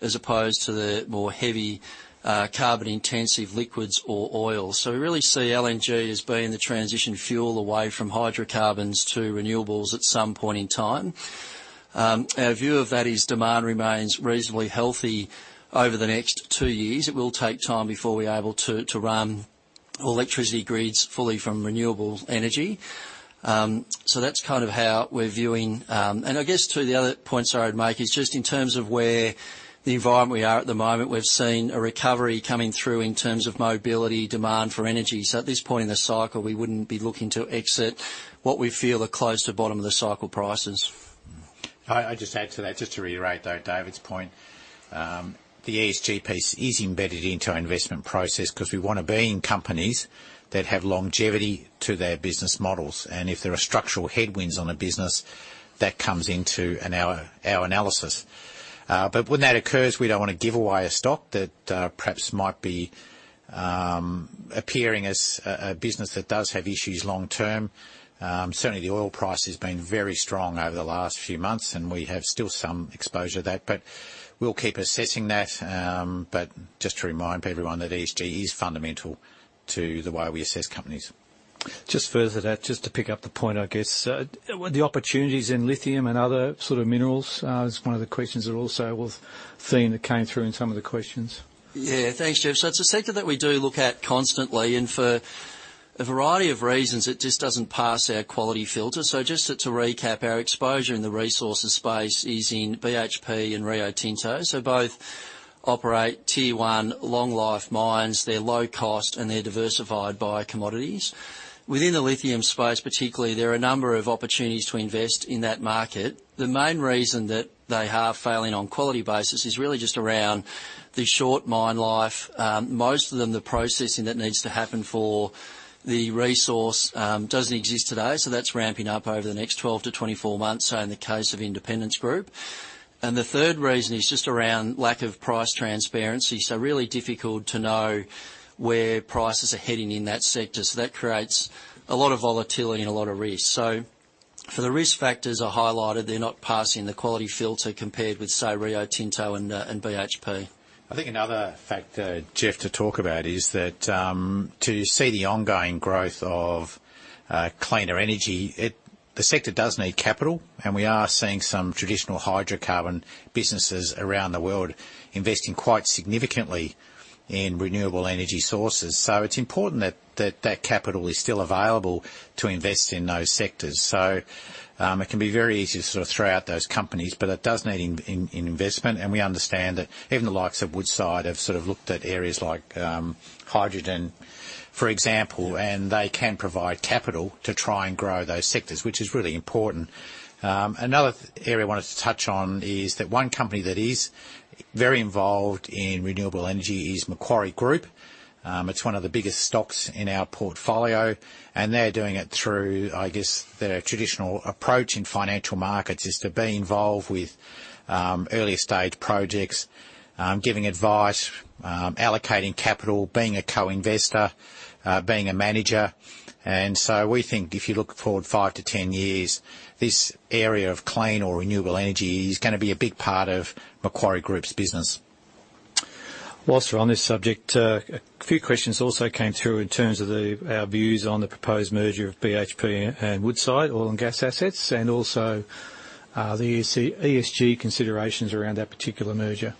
as opposed to the more heavy, carbon-intensive liquids or oil. We really see LNG as being the transition fuel away from hydrocarbons to renewables at some point in time. Our view of that is demand remains reasonably healthy over the next two years. It will take time before we're able to run all electricity grids fully from renewable energy. That's kind of how we're viewing. I guess too, the other point, sorry I'd make, is just in terms of where the environment we are at the moment, we've seen a recovery coming through in terms of mobility, demand for energy. At this point in the cycle, we wouldn't be looking to exit what we feel are close to bottom of the cycle prices. I'd just add to that, just to reiterate though David's point, the ESG piece is embedded into our investment process because we want to be in companies that have longevity to their business models. If there are structural headwinds on a business, that comes into our analysis. When that occurs, we don't want to give away a stock that perhaps might be appearing as a business that does have issues long term. Certainly, the oil price has been very strong over the last few months, and we have still some exposure to that. We'll keep assessing that. Just to remind everyone that ESG is fundamental to the way we assess companies. Just further to that, just to pick up the point, I guess. The opportunities in lithium and other sort of minerals is one of the questions that also we've seen that came through in some of the questions. Thanks, Geoff. It's a sector that we do look at constantly, and for a variety of reasons, it just doesn't pass our quality filter. Just to recap, our exposure in the resources space is in BHP and Rio Tinto. Both operate tier one long life mines. They're low cost, and they're diversified by commodities. Within the lithium space particularly, there are a number of opportunities to invest in that market. The main reason that they are failing on quality basis is really just around the short mine life. Most of them, the processing that needs to happen for the resource doesn't exist today, so that's ramping up over the next 12-24 months, so in the case of Independence Group. The third reason is just around lack of price transparency, so really difficult to know where prices are heading in that sector. That creates a lot of volatility and a lot of risk. For the risk factors I highlighted, they're not passing the quality filter compared with, say, Rio Tinto and BHP. I think another factor, Geoff, to talk about is that, to see the ongoing growth of cleaner energy, the sector does need capital, and we are seeing some traditional hydrocarbon businesses around the world investing quite significantly in renewable energy sources. It's important that that capital is still available to invest in those sectors. It can be very easy to sort of throw out those companies, but it does need investment, and we understand that even the likes of Woodside have sort of looked at areas like hydrogen, for example, and they can provide capital to try and grow those sectors, which is really important. Another area I wanted to touch on is that one company that is very involved in renewable energy is Macquarie Group. It's one of the biggest stocks in our portfolio, and they're doing it through, I guess, their traditional approach in financial markets is to be involved with early stage projects, giving advice, allocating capital, being a co-investor, being a manager. We think if you look forward 5-10 years, this area of clean or renewable energy is going to be a big part of Macquarie Group's business. While we're on this subject, a few questions also came through in terms of our views on the proposed merger of BHP and Woodside oil and gas assets and also the ESG considerations around that particular merger.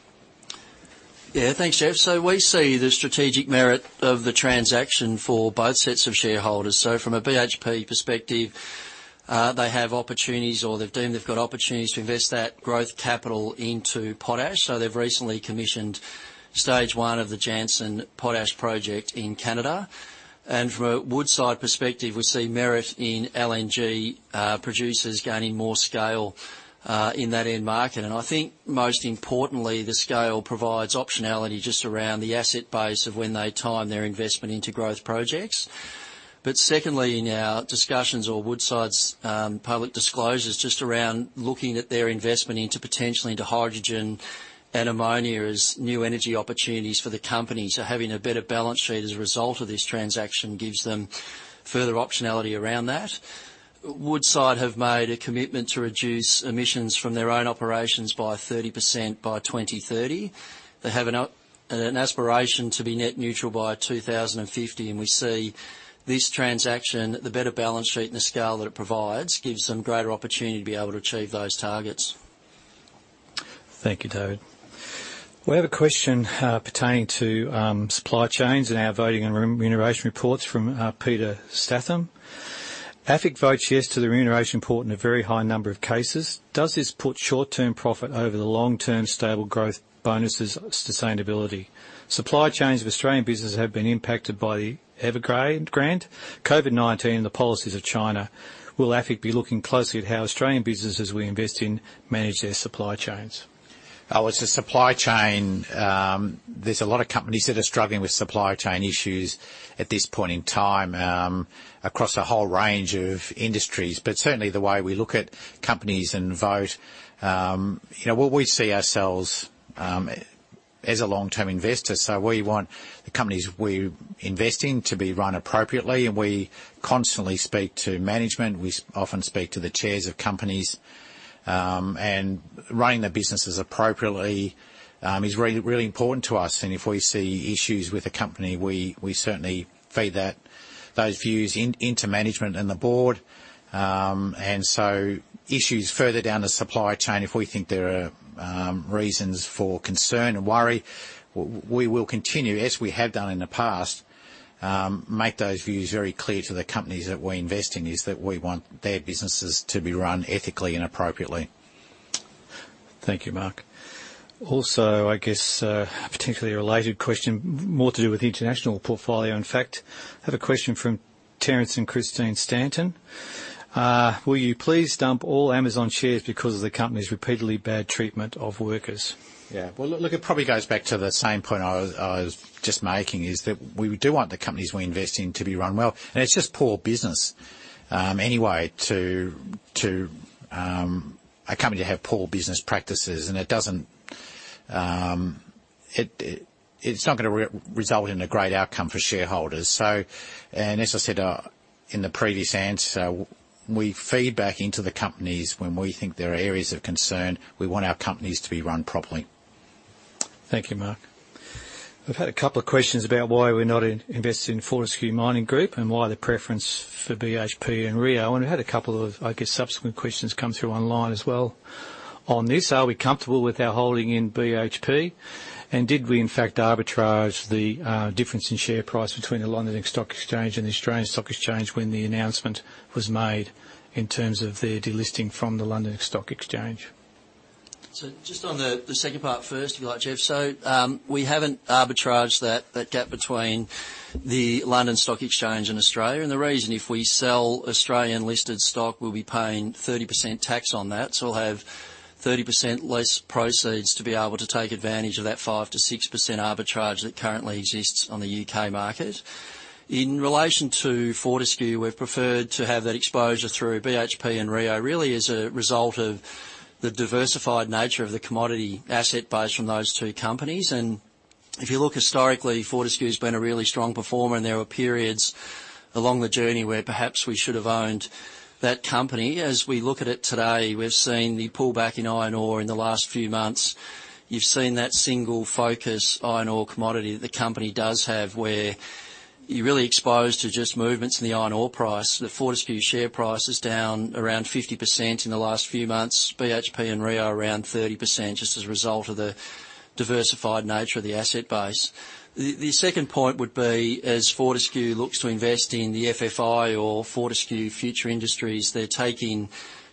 Thanks, Geoff. We see the strategic merit of the transaction for both sets of shareholders. From a BHP perspective, they have opportunities, or they've deemed they've got opportunities to invest that growth capital into potash. They've recently commissioned stage one of the Jansen Potash project in Canada. From a Woodside perspective, we see merit in LNG producers gaining more scale in that end market. I think most importantly, the scale provides optionality just around the asset base of when they time their investment into growth projects. Secondly, in our discussions or Woodside's public disclosures, just around looking at their investment into potentially into hydrogen and ammonia as new energy opportunities for the company. Having a better balance sheet as a result of this transaction gives them further optionality around that. Woodside have made a commitment to reduce emissions from their own operations by 30% by 2030. They have an aspiration to be net neutral by 2050. We see this transaction, the better balance sheet and the scale that it provides, gives them greater opportunity to be able to achieve those targets. Thank you, David. We have a question pertaining to supply chains in our voting and remuneration reports from Peter Statham. AFIC votes yes to the remuneration report in a very high number of cases. Does this put short-term profit over the long-term stable growth bonuses sustainability? Supply chains of Australian businesses have been impacted by the Evergrande, COVID-19, and the policies of China. Will AFIC be looking closely at how Australian businesses we invest in manage their supply chains? It's the supply chain. There's a lot of companies that are struggling with supply chain issues at this point in time across a whole range of industries. Certainly, the way we look at companies and vote, what we see ourselves as a long-term investor. We want the companies we invest in to be run appropriately, and we constantly speak to management. We often speak to the chairs of companies, and running the businesses appropriately is really important to us. If we see issues with a company, we certainly feed those views into management and the board. Issues further down the supply chain, if we think there are reasons for concern and worry, we will continue, as we have done in the past, make those views very clear to the companies that we invest in, is that we want their businesses to be run ethically and appropriately. Thank you, Mark. I guess, a particularly related question, more to do with the international portfolio, in fact. I have a question from Terence and Christine Stanton. "Will you please dump all Amazon shares because of the company's repeatedly bad treatment of workers? Well, look, it probably goes back to the same point I was just making, is that we do want the companies we invest in to be run well. It's just poor business anyway to a company to have poor business practices, and it's not going to result in a great outcome for shareholders. As I said in the previous answer, we feed back into the companies when we think there are areas of concern. We want our companies to be run properly. Thank you, Mark. We've had a couple of questions about why we're not invested in Fortescue Metals Group and why the preference for BHP and Rio. We've had a couple of, I guess, subsequent questions come through online as well on this. Are we comfortable with our holding in BHP? Did we in fact arbitrage the difference in share price between the London Stock Exchange and the Australian Securities Exchange when the announcement was made in terms of their delisting from the London Stock Exchange? Just on the second part first, if you like, Geoff. We haven't arbitraged that gap between the London Stock Exchange and Australia, and the reason, if we sell Australian-listed stock, we'll be paying 30% tax on that. We'll have 30% less proceeds to be able to take advantage of that 5%-6% arbitrage that currently exists on the U.K. market. In relation to Fortescue, we've preferred to have that exposure through BHP and Rio really as a result of the diversified nature of the commodity asset base from those two companies. If you look historically, Fortescue's been a really strong performer, and there were periods along the journey where perhaps we should have owned that company. As we look at it today, we've seen the pullback in iron ore in the last few months. You've seen that single focus iron ore commodity that the company does have, where you're really exposed to just movements in the iron ore price. The Fortescue share price is down around 50% in the last few months, BHP and Rio around 30%, just as a result of the diversified nature of the asset base. The second point would be, as Fortescue looks to invest in the FFI or Fortescue Future Industries, they're taking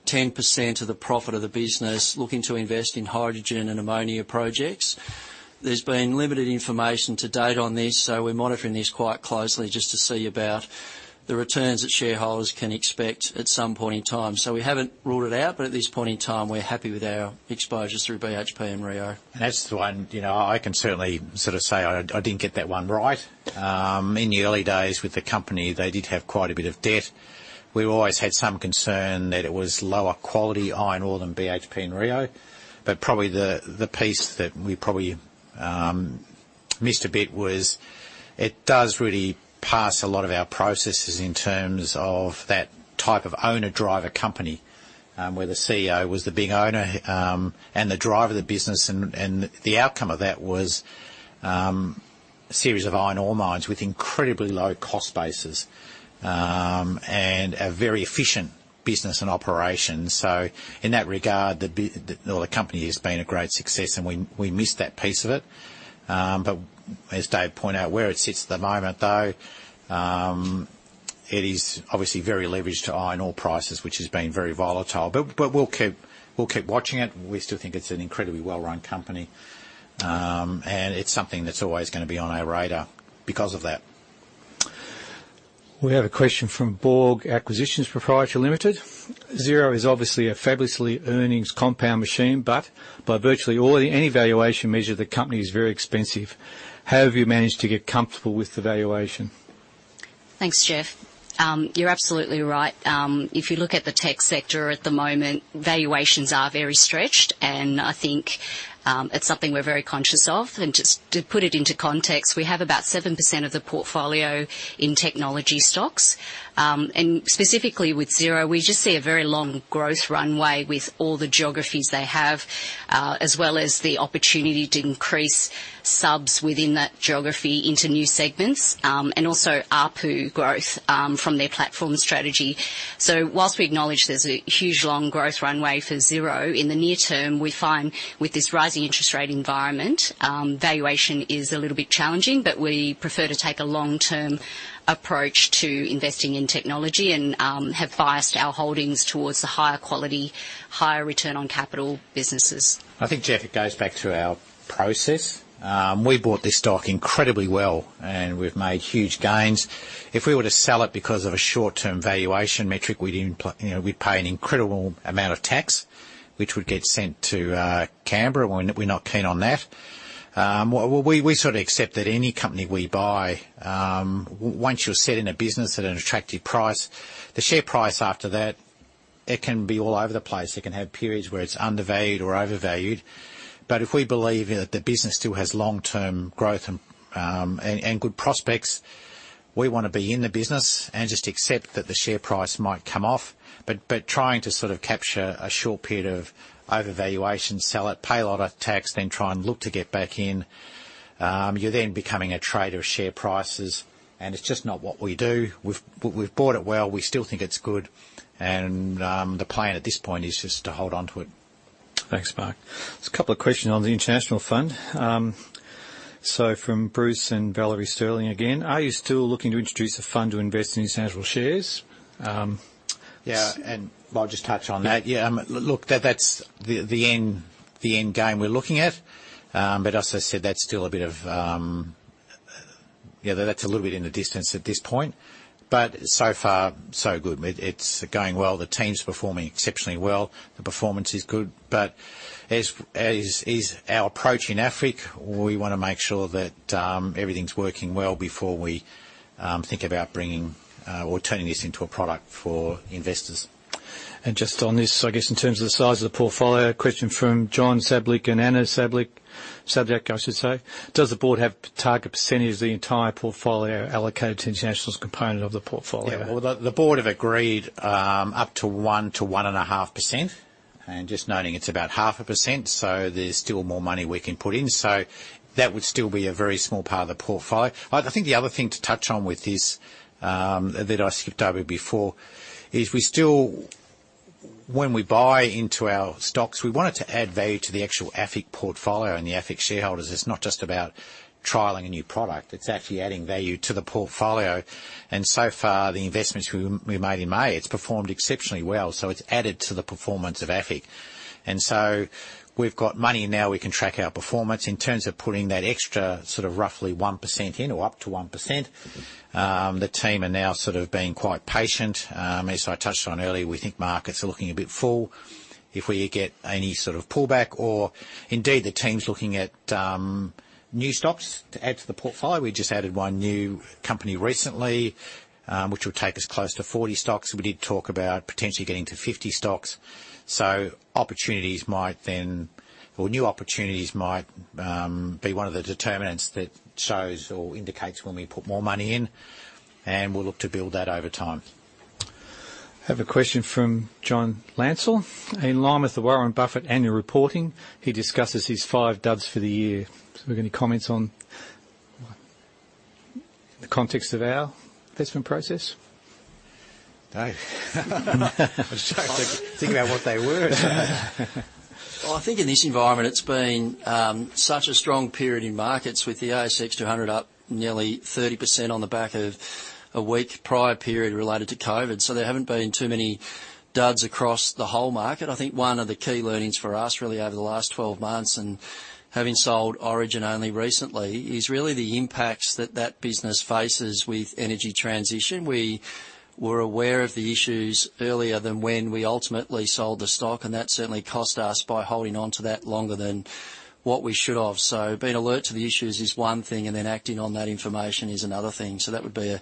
10% of the profit of the business, looking to invest in hydrogen and ammonia projects. There's been limited information to date on this, we're monitoring this quite closely just to see about the returns that shareholders can expect at some point in time. We haven't ruled it out, at this point in time, we're happy with our exposure through BHP and Rio. That's the one, I can certainly sort of say I didn't get that one right. In the early days with the company, they did have quite a bit of debt. We've always had some concern that it was lower quality iron ore than BHP and Rio. Probably the piece that we probably missed a bit was it does really pass a lot of our processes in terms of that type of owner-driver company, where the CEO was the big owner and the driver of the business, and the outcome of that was a series of iron ore mines with incredibly low cost bases and a very efficient business and operation. In that regard, the company has been a great success, and we missed that piece of it. As David pointed out, where it sits at the moment, though, it is obviously very leveraged to iron ore prices, which has been very volatile. We'll keep watching it. We still think it's an incredibly well-run company, and it's something that's always going to be on our radar because of that. We have a question from Borg Acquisitions Proprietary Limited. "Xero is obviously a fabulously earnings compound machine, but by virtually any valuation measure, the company is very expensive. How have you managed to get comfortable with the valuation? Thanks, Geoff. You're absolutely right. If you look at the tech sector at the moment, valuations are very stretched, and I think it's something we're very conscious of. Just to put it into context, we have about 7% of the portfolio in technology stocks. Specifically with Xero, we just see a very long growth runway with all the geographies they have, as well as the opportunity to increase subs within that geography into new segments, and also ARPU growth from their platform strategy. Whilst we acknowledge there's a huge long growth runway for Xero, in the near term, we find with this rising interest rate environment, valuation is a little bit challenging. We prefer to take a long-term approach to investing in technology and have biased our holdings towards the higher quality, higher return on capital businesses. I think, Geoff, it goes back to our process. We bought this stock incredibly well, and we've made huge gains. If we were to sell it because of a short-term valuation metric, we'd pay an incredible amount of tax, which would get sent to Canberra, and we're not keen on that. We sort of accept that any company we buy, once you're set in a business at an attractive price, the share price after that, it can be all over the place. It can have periods where it's undervalued or overvalued. If we believe that the business still has long-term growth and good prospects, we want to be in the business and just accept that the share price might come off. Trying to sort of capture a short period of overvaluation, sell it, pay a lot of tax, then try and look to get back in, you're then becoming a trader of share prices, and it's just not what we do. We've bought it well. We still think it's good, and the plan at this point is just to hold on to it. Thanks, Mark. There's a couple of questions on the international fund. From Bruce and Valerie Sterling again, "Are you still looking to introduce a fund to invest in international shares? Yeah. I'll just touch on that. Yeah, look, that's the end game we're looking at. As I said, that's a little bit in the distance at this point. So far, so good. It's going well. The team's performing exceptionally well. The performance is good. As is our approach in AFIC, we want to make sure that everything's working well before we think about bringing or turning this into a product for investors. Just on this, I guess in terms of the size of the portfolio, a question from John Sabyak and Anna Sabyak. Sabyak, I should say. Does the board have target percentage of the entire portfolio allocated to the internationals component of the portfolio? The board have agreed up to 1%-1.5%. Just noting it's about 0.5%, there's still more money we can put in. That would still be a very small part of the portfolio. I think the other thing to touch on with this, that I skipped over before, is when we buy into our stocks, we want it to add value to the actual AFIC portfolio and the AFIC shareholders. It's not just about trialing a new product, it's actually adding value to the portfolio. So far, the investments we made in May, it's performed exceptionally well. It's added to the performance of AFIC. We've got money now. We can track our performance in terms of putting that extra sort of roughly 1% in or up to 1%. The team are now sort of being quite patient. As I touched on earlier, we think markets are looking a bit full. If we get any sort of pullback or indeed the team's looking at new stocks to add to the portfolio. We just added one new company recently, which will take us close to 40 stocks. We did talk about potentially getting to 50 stocks. New opportunities might be one of the determinants that shows or indicates when we put more money in, and we'll look to build that over time. I have a question from John Lansell. In line with the Warren Buffett annual reporting, he discusses his five duds for the year. Have you got any comments on the context of our investment process? Dave? I was trying to think about what they were. Well, I think in this environment, it's been such a strong period in markets with the ASX 200 up nearly 30% on the back of a weak prior period related to COVID-19. There haven't been too many duds across the whole market. I think one of the key learnings for us really over the last 12 months and having sold Origin only recently is really the impacts that that business faces with energy transition. We were aware of the issues earlier than when we ultimately sold the stock, and that certainly cost us by holding on to that longer than what we should have. Being alert to the issues is one thing, and then acting on that information is another thing. That would be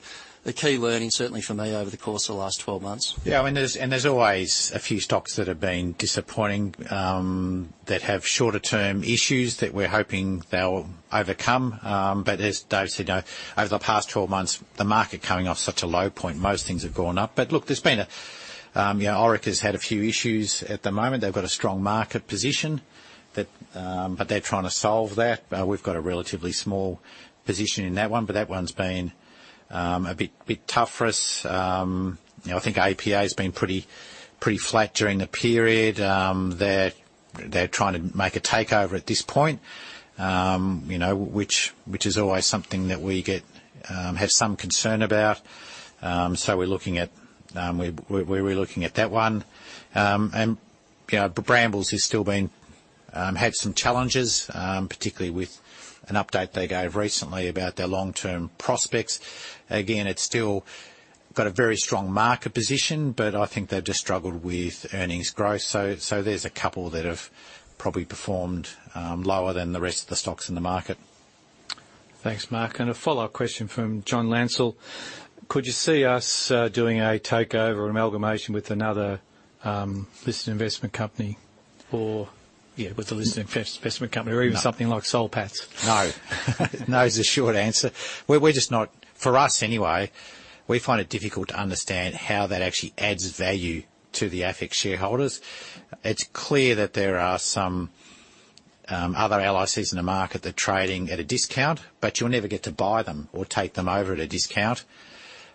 a key learning, certainly for me over the course of the last 12 months. There's always a few stocks that have been disappointing, that have shorter-term issues that we're hoping they'll overcome. As Dave said, over the past 12 months, the market coming off such a low point, most things have gone up. Look, Orica has had a few issues at the moment. They've got a strong market position, but they're trying to solve that. We've got a relatively small position in that one, but that one's been a bit tough for us. I think APA's been pretty flat during the period. They're trying to make a takeover at this point, which is always something that we have some concern about. We're looking at that one. Brambles has still had some challenges, particularly with an update they gave recently about their long-term prospects. It's still got a very strong market position, but I think they've just struggled with earnings growth. There's a couple that have probably performed lower than the rest of the stocks in the market. Thanks, Mark. A follow-up question from John Lansell. Could you see us doing a takeover amalgamation with another listed investment company or, yeah, with a listed investment company or even something like Soul Patts? No. No, is the short answer. For us anyway, we find it difficult to understand how that actually adds value to the AFIC shareholders. It's clear that there are some other LICs in the market that are trading at a discount, but you'll never get to buy them or take them over at a discount.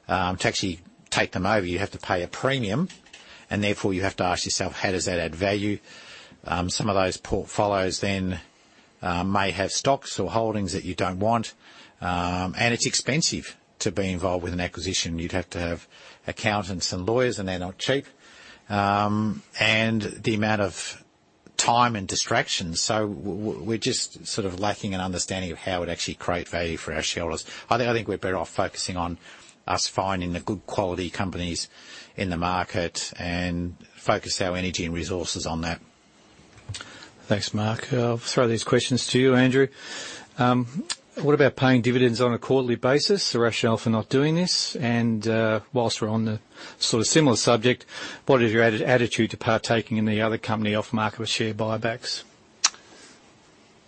To actually take them over, you have to pay a premium, and therefore you have to ask yourself, how does that add value? Some of those portfolios then may have stocks or holdings that you don't want. It's expensive to be involved with an acquisition. You'd have to have accountants and lawyers, and they're not cheap. The amount of time and distraction. We're just lacking an understanding of how it'd actually create value for our shareholders. I think we're better off focusing on us finding the good quality companies in the market and focus our energy and resources on that. Thanks, Mark. I'll throw these questions to you, Andrew. What about paying dividends on a quarterly basis? The rationale for not doing this, and whilst we're on the similar subject, what is your attitude to partaking in the other company off-market with share buybacks?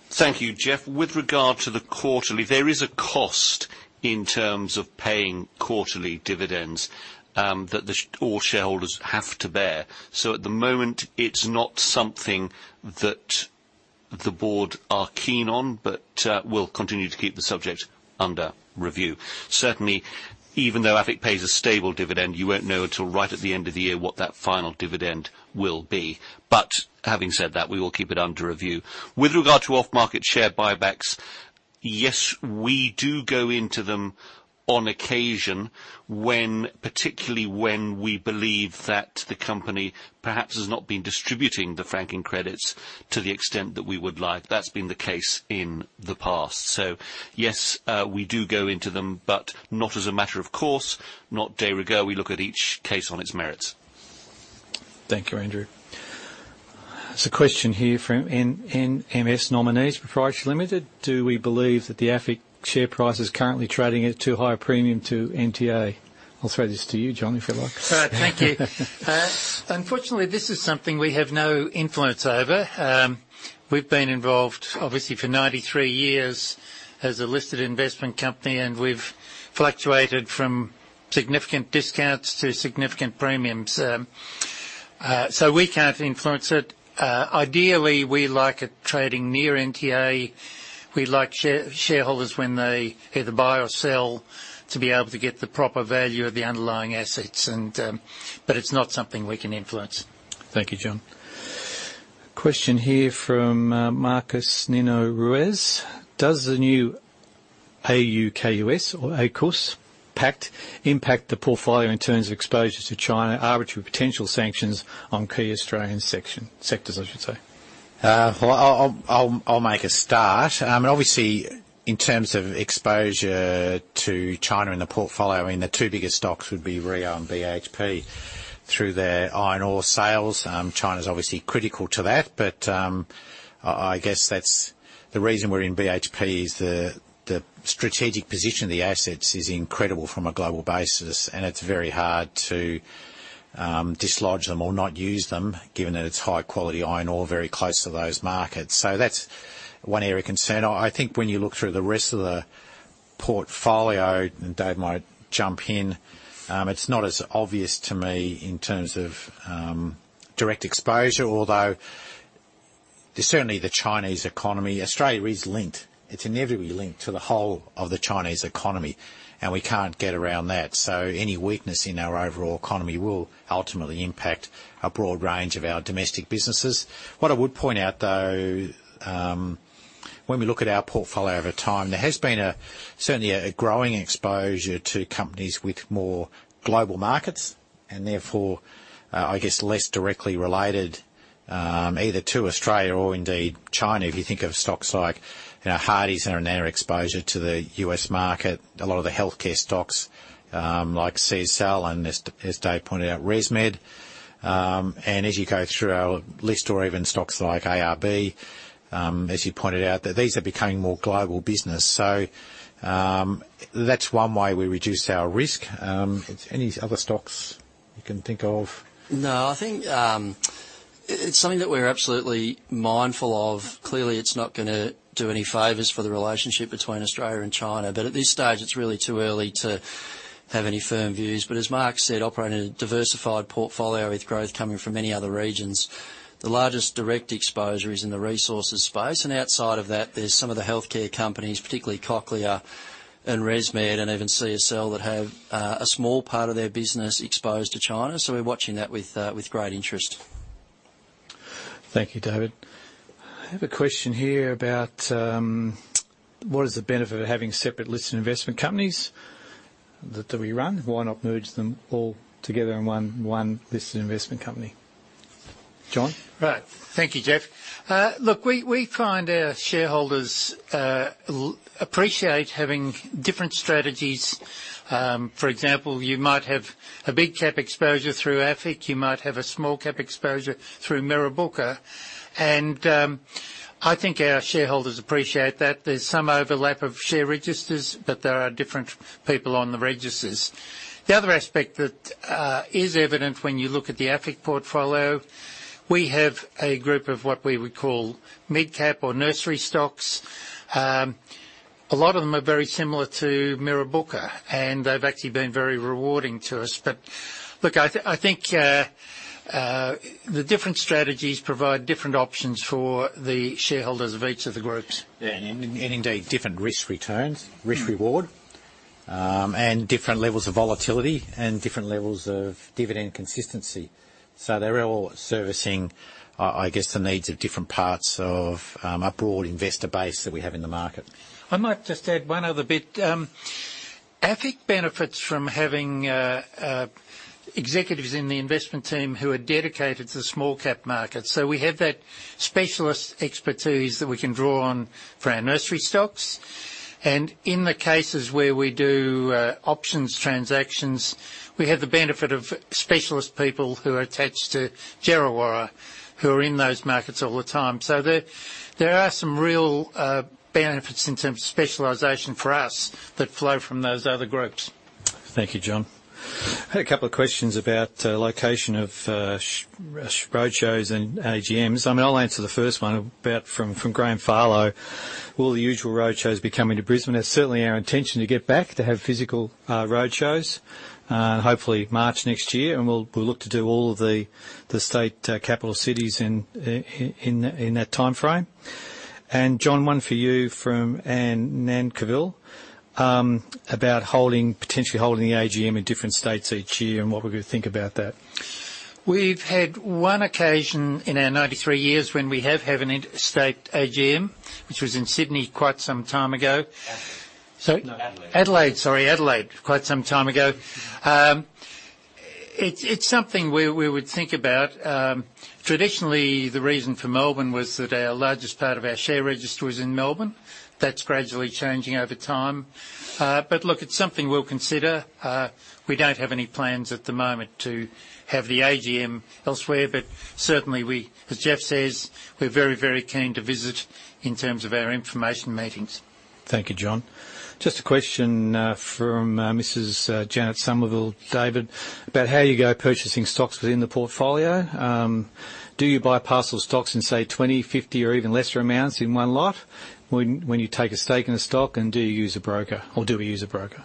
Thank you, Geoff. With regard to the quarterly, there is a cost in terms of paying quarterly dividends that all shareholders have to bear. At the moment, it's not something that the board are keen on, but we'll continue to keep the subject under review. Certainly, even though AFIC pays a stable dividend, you won't know until right at the end of the year what that final dividend will be. Having said that, we will keep it under review. With regard to off-market share buybacks, yes, we do go into them on occasion, particularly when we believe that the company perhaps has not been distributing the franking credits to the extent that we would like. That's been the case in the past. Yes, we do go into them, but not as a matter of course, not de rigor. We look at each case on its merits. Thank you, Andrew. There's a question here from NMS Nominees Proprietary Limited. Do we believe that the AFIC share price is currently trading at too high a premium to NTA? I'll throw this to you, John, if you like. Thank you. Unfortunately, this is something we have no influence over. We've been involved, obviously, for 93 years as a listed investment company, we've fluctuated from significant discounts to significant premiums. We can't influence it. Ideally, we like it trading near NTA. We like shareholders when they either buy or sell to be able to get the proper value of the underlying assets. It's not something we can influence. Thank you, John. Question here from Marcos Nino-Ruiz. Does the new A-U-K-U-S or AUKUS pact impact the portfolio in terms of exposure to China, arbitrary potential sanctions on key Australian sectors, I should say? Well, I'll make a start. Obviously, in terms of exposure to China in the portfolio, the two biggest stocks would be Rio and BHP through their iron ore sales. China's obviously critical to that, but I guess that's the reason we're in BHP is the strategic position of the assets is incredible from a global basis, and it's very hard to dislodge them or not use them, given that it's high-quality iron ore very close to those markets. That's one area of concern. I think when you look through the rest of the portfolio, and David Grace might jump in, it's not as obvious to me in terms of direct exposure. Although certainly the Chinese economy, Australia is linked. It's inevitably linked to the whole of the Chinese economy, and we can't get around that. Any weakness in our overall economy will ultimately impact a broad range of our domestic businesses. What I would point out, though, when we look at our portfolio over time, there has been certainly a growing exposure to companies with more global markets and therefore, I guess, less directly related either to Australia or indeed China. If you think of stocks like, Hardie's and our narrow exposure to the U.S. market, a lot of the healthcare stocks, like CSL and as David Grace pointed out, ResMed. As you go through our list or even stocks like ARB, as you pointed out, that these are becoming more global business. That's one way we reduce our risk. Any other stocks you can think of? No, I think it's something that we're absolutely mindful of. Clearly, it's not going to do any favors for the relationship between Australia and China. At this stage, it's really too early to have any firm views. As Mark said, operating a diversified portfolio with growth coming from many other regions, the largest direct exposure is in the resources space. Outside of that, there's some of the healthcare companies, particularly Cochlear and ResMed and even CSL, that have a small part of their business exposed to China. We're watching that with great interest. Thank you, David. I have a question here about what is the benefit of having separate listed investment companies that we run? Why not merge them all together in one listed investment company? John? Right. Thank you, Geoff. Look, we find our shareholders appreciate having different strategies. For example, you might have a big cap exposure through AFIC, you might have a small cap exposure through Mirrabooka, and I think our shareholders appreciate that. There's some overlap of share registers, there are different people on the registers. The other aspect that is evident when you look at the AFIC portfolio, we have a group of what we would call mid cap or nursery stocks. A lot of them are very similar to Mirrabooka, they've actually been very rewarding to us. Look, I think the different strategies provide different options for the shareholders of each of the groups. Yeah. Indeed, different risk returns, risk reward, and different levels of volatility and different levels of dividend consistency. They're all servicing, I guess, the needs of different parts of our broad investor base that we have in the market. I might just add one other bit. AFIC benefits from having executives in the investment team who are dedicated to the small cap market. We have that specialist expertise that we can draw on for our nursery stocks. In the cases where we do options transactions, we have the benefit of specialist people who are attached to Djerriwarrh, who are in those markets all the time. There are some real benefits in terms of specialization for us that flow from those other groups. Thank you, John. I had a couple of questions about location of roadshows and AGMs. I'll answer the first one from Graham Farlow. Will the usual roadshows be coming to Brisbane? It's certainly our intention to get back to have physical roadshows, hopefully March next year. We'll look to do all of the state capital cities in that timeframe. John, one for you from Anne Nankervis about potentially holding the AGM in different states each year and what we would think about that. We've had 1 occasion in our 93 years when we have had an interstate AGM, which was in Sydney quite some time ago. Adelaide. Sorry? No, Adelaide. Adelaide, sorry. Adelaide, quite some time ago. It's something we would think about. Traditionally, the reason for Melbourne was that our largest part of our share register was in Melbourne. That's gradually changing over time. Look, it's something we'll consider. We don't have any plans at the moment to have the AGM elsewhere, but certainly we, as Geoff says, we're very keen to visit in terms of our information meetings. Thank you, John. A question from Mrs. Janet Somerville, David, about how you go purchasing stocks within the portfolio. Do you buy parcel stocks in, say, 20, 50 or even lesser amounts in one lot when you take a stake in a stock? Do you use a broker or do we use a broker?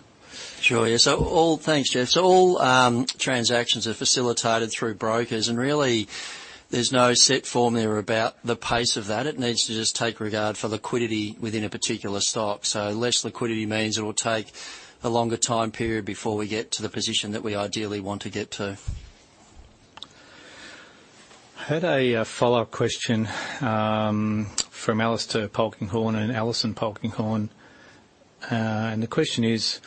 Sure, yeah. Thanks, Geoff. All transactions are facilitated through brokers, and really there's no set formula about the pace of that. It needs to just take regard for liquidity within a particular stock. Less liquidity means it'll take a longer time period before we get to the position that we ideally want to get to. Had a follow-up question from Alistair Polkinghorne and Allison Polkinghorne. The question is: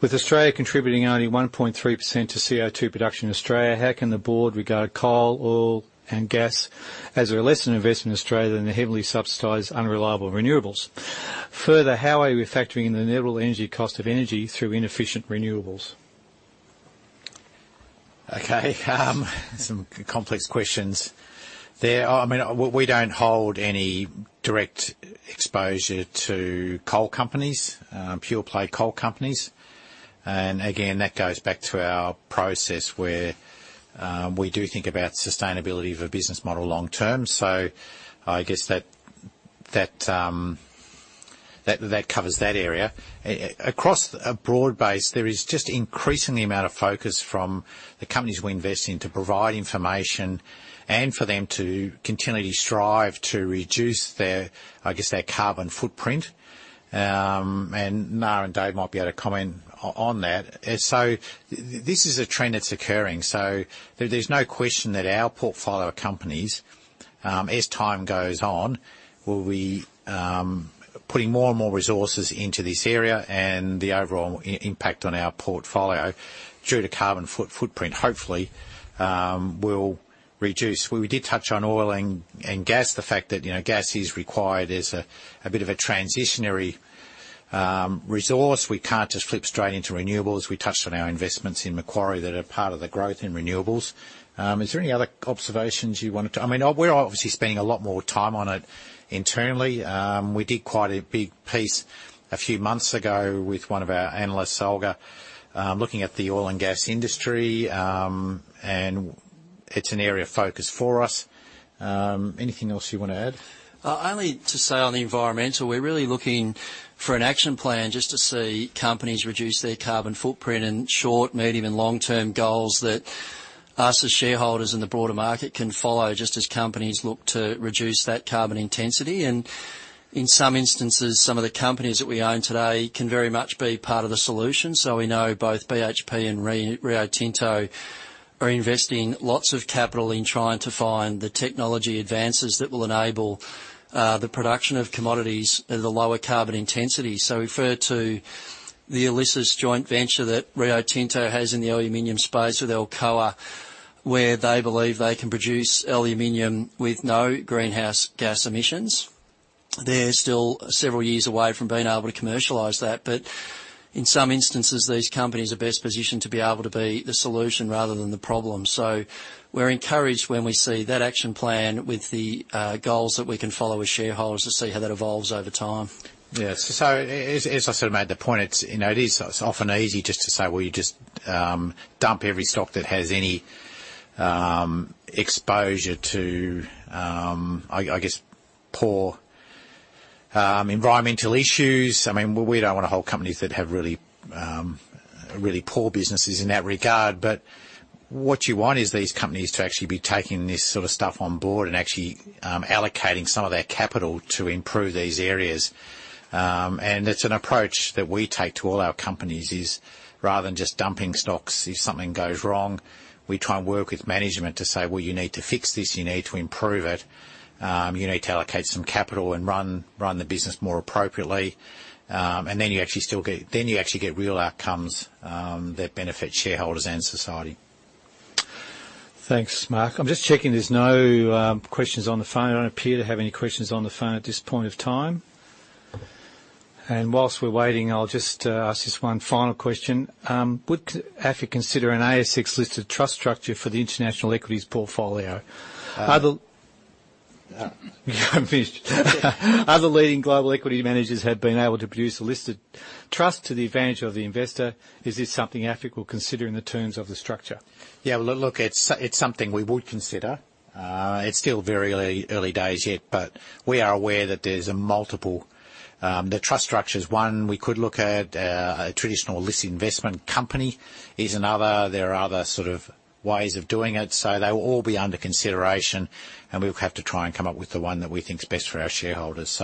With Australia contributing only 1.3% to CO2 production in Australia, how can the board regard coal, oil and gas as a lesser investment in Australia than the heavily subsidized unreliable renewables? Further, how are you factoring in the neutral energy cost of energy through inefficient renewables? Some complex questions there. We don't hold any direct exposure to coal companies, pure play coal companies. Again, that goes back to our process where we do think about sustainability of a business model long-term. I guess that covers that area. Across a broad base, there is just increasing the amount of focus from the companies we invest in to provide information and for them to continually strive to reduce their carbon footprint. Niall and David might be able to comment on that. This is a trend that's occurring. There's no question that our portfolio companies as time goes on, will be putting more and more resources into this area and the overall impact on our portfolio due to carbon footprint, hopefully, will reduce. We did touch on oil and gas, the fact that gas is required as a bit of a transitionary resource. We can't just flip straight into renewables. We touched on our investments in Macquarie that are part of the growth in renewables. Is there any other observations you wanted to? We're obviously spending a lot more time on it internally. We did quite a big piece a few months ago with one of our analysts, Olga, looking at the oil and gas industry, and it's an area of focus for us. Anything else you want to add? Only to say on the environmental, we're really looking for an action plan just to see companies reduce their carbon footprint in short, medium, and long-term goals that us as shareholders in the broader market can follow just as companies look to reduce that carbon intensity. In some instances, some of the companies that we own today can very much be part of the solution. We know both BHP and Rio Tinto are investing lots of capital in trying to find the technology advances that will enable the production of commodities at a lower carbon intensity. We refer to the ELYSIS joint venture that Rio Tinto has in the aluminum space with Alcoa, where they believe they can produce aluminum with no greenhouse gas emissions. They're still several years away from being able to commercialize that. In some instances, these companies are best positioned to be able to be the solution rather than the problem. We're encouraged when we see that action plan with the goals that we can follow as shareholders to see how that evolves over time. Yes. As I sort of made the point, it is often easy just to say, "Well, you just dump every stock that has any exposure to, I guess, poor environmental issues." We don't want to hold companies that have really poor businesses in that regard. What you want is these companies to actually be taking this sort of stuff on board and actually allocating some of their capital to improve these areas. It's an approach that we take to all our companies is rather than just dumping stocks if something goes wrong, we try and work with management to say, "Well, you need to fix this. You need to improve it. You need to allocate some capital and run the business more appropriately." Then you actually get real outcomes that benefit shareholders and society. Thanks, Mark. I'm just checking there's no questions on the phone. I don't appear to have any questions on the phone at this point of time. While we're waiting, I'll just ask this one final question. Would AFIC consider an ASX-listed trust structure for the international equities portfolio? I'm finished. Other leading global equity managers have been able to produce a listed trust to the advantage of the investor. Is this something AFIC will consider in the terms of the structure? Yeah, look, it's something we would consider. It's still very early days yet. We are aware that the trust structure's one we could look at. A traditional listed investment company is another. There are other ways of doing it. They will all be under consideration, and we'll have to try and come up with the one that we think is best for our shareholders.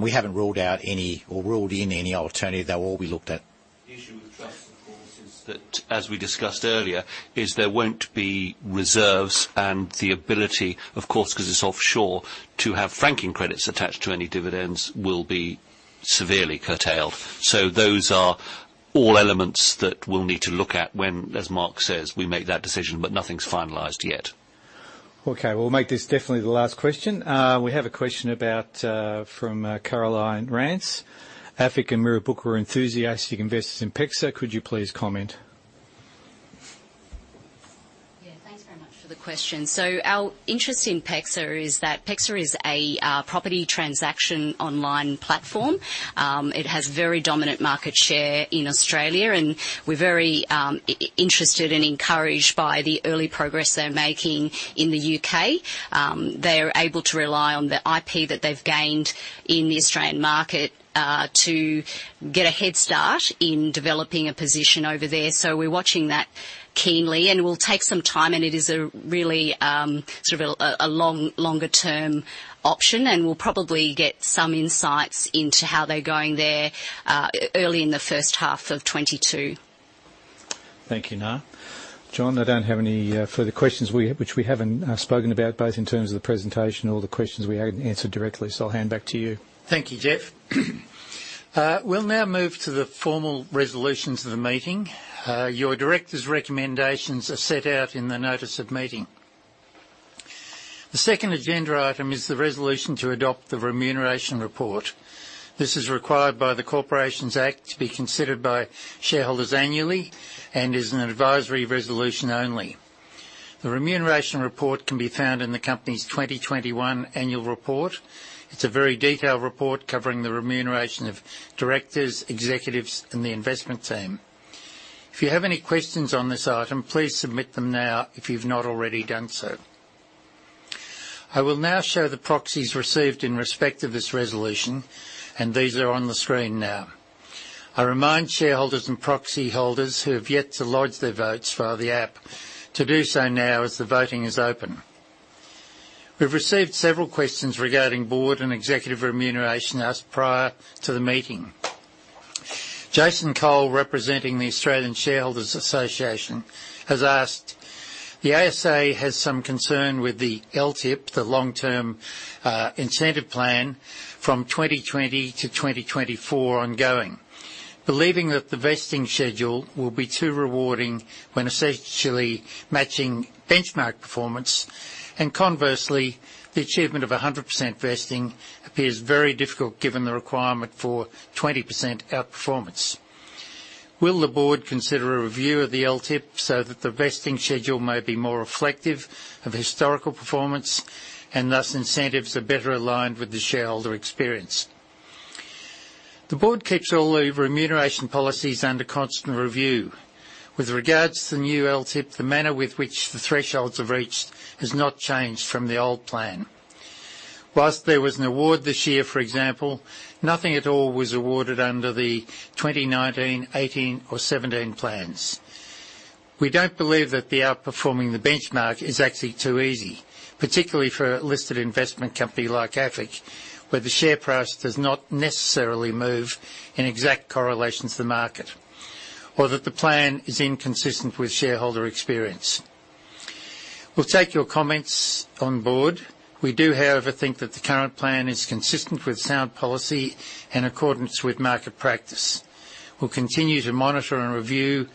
We haven't ruled out any or ruled in any alternative. They'll all be looked at. that, as we discussed earlier, is there won't be reserves and the ability, of course, because it's offshore, to have franking credits attached to any dividends will be severely curtailed. Those are all elements that we'll need to look at when, as Mark says, we make that decision, but nothing's finalized yet. Okay. We'll make this definitely the last question. We have a question from Caroline Rance. "AFIC and Mirrabooka are enthusiastic investors in PEXA. Could you please comment? Thanks very much for the question. Our interest in PEXA is that PEXA is a property transaction online platform. It has very dominant market share in Australia, and we're very interested and encouraged by the early progress they're making in the U.K. They're able to rely on the IP that they've gained in the Australian market to get a head start in developing a position over there. We're watching that keenly, and we'll take some time, and it is a really longer-term option, and we'll probably get some insights into how they're going there early in the first half of 2022. Thank you, Niall. John, I don't have any further questions which we haven't spoken about, both in terms of the presentation or the questions we haven't answered directly. I'll hand back to you. Thank you, Geoff. We'll now move to the formal resolutions of the meeting. Your directors' recommendations are set out in the notice of meeting. The second agenda item is the resolution to adopt the remuneration report. This is required by the Corporations Act to be considered by shareholders annually and is an advisory resolution only. The remuneration report can be found in the company's 2021 annual report. It's a very detailed report covering the remuneration of directors, executives, and the investment team. If you have any questions on this item, please submit them now if you've not already done so. I will now show the proxies received in respect of this resolution. These are on the screen now. I remind shareholders and proxy holders who have yet to lodge their votes via the app to do so now as the voting is open. We've received several questions regarding board and executive remuneration asked prior to the meeting. Jason Cole, representing the Australian Shareholders' Association, has asked, "The ASA has some concern with the LTIP, the long-term incentive plan from 2020 to 2024 ongoing, believing that the vesting schedule will be too rewarding when essentially matching benchmark performance, and conversely, the achievement of 100% vesting appears very difficult given the requirement for 20% outperformance. Will the board consider a review of the LTIP so that the vesting schedule may be more reflective of historical performance, and thus incentives are better aligned with the shareholder experience?" The board keeps all the remuneration policies under constant review. With regards to the new LTIP, the manner with which the thresholds are reached has not changed from the old plan. Whilst there was an award this year, for example, nothing at all was awarded under the 2019, 2018, or 2017 plans. We don't believe that the outperforming the benchmark is actually too easy, particularly for a listed investment company like AFIC, where the share price does not necessarily move in exact correlation to the market, or that the plan is inconsistent with shareholder experience. We'll take your comments on board. We do, however, think that the current plan is consistent with sound policy in accordance with market practice. We'll continue to monitor and review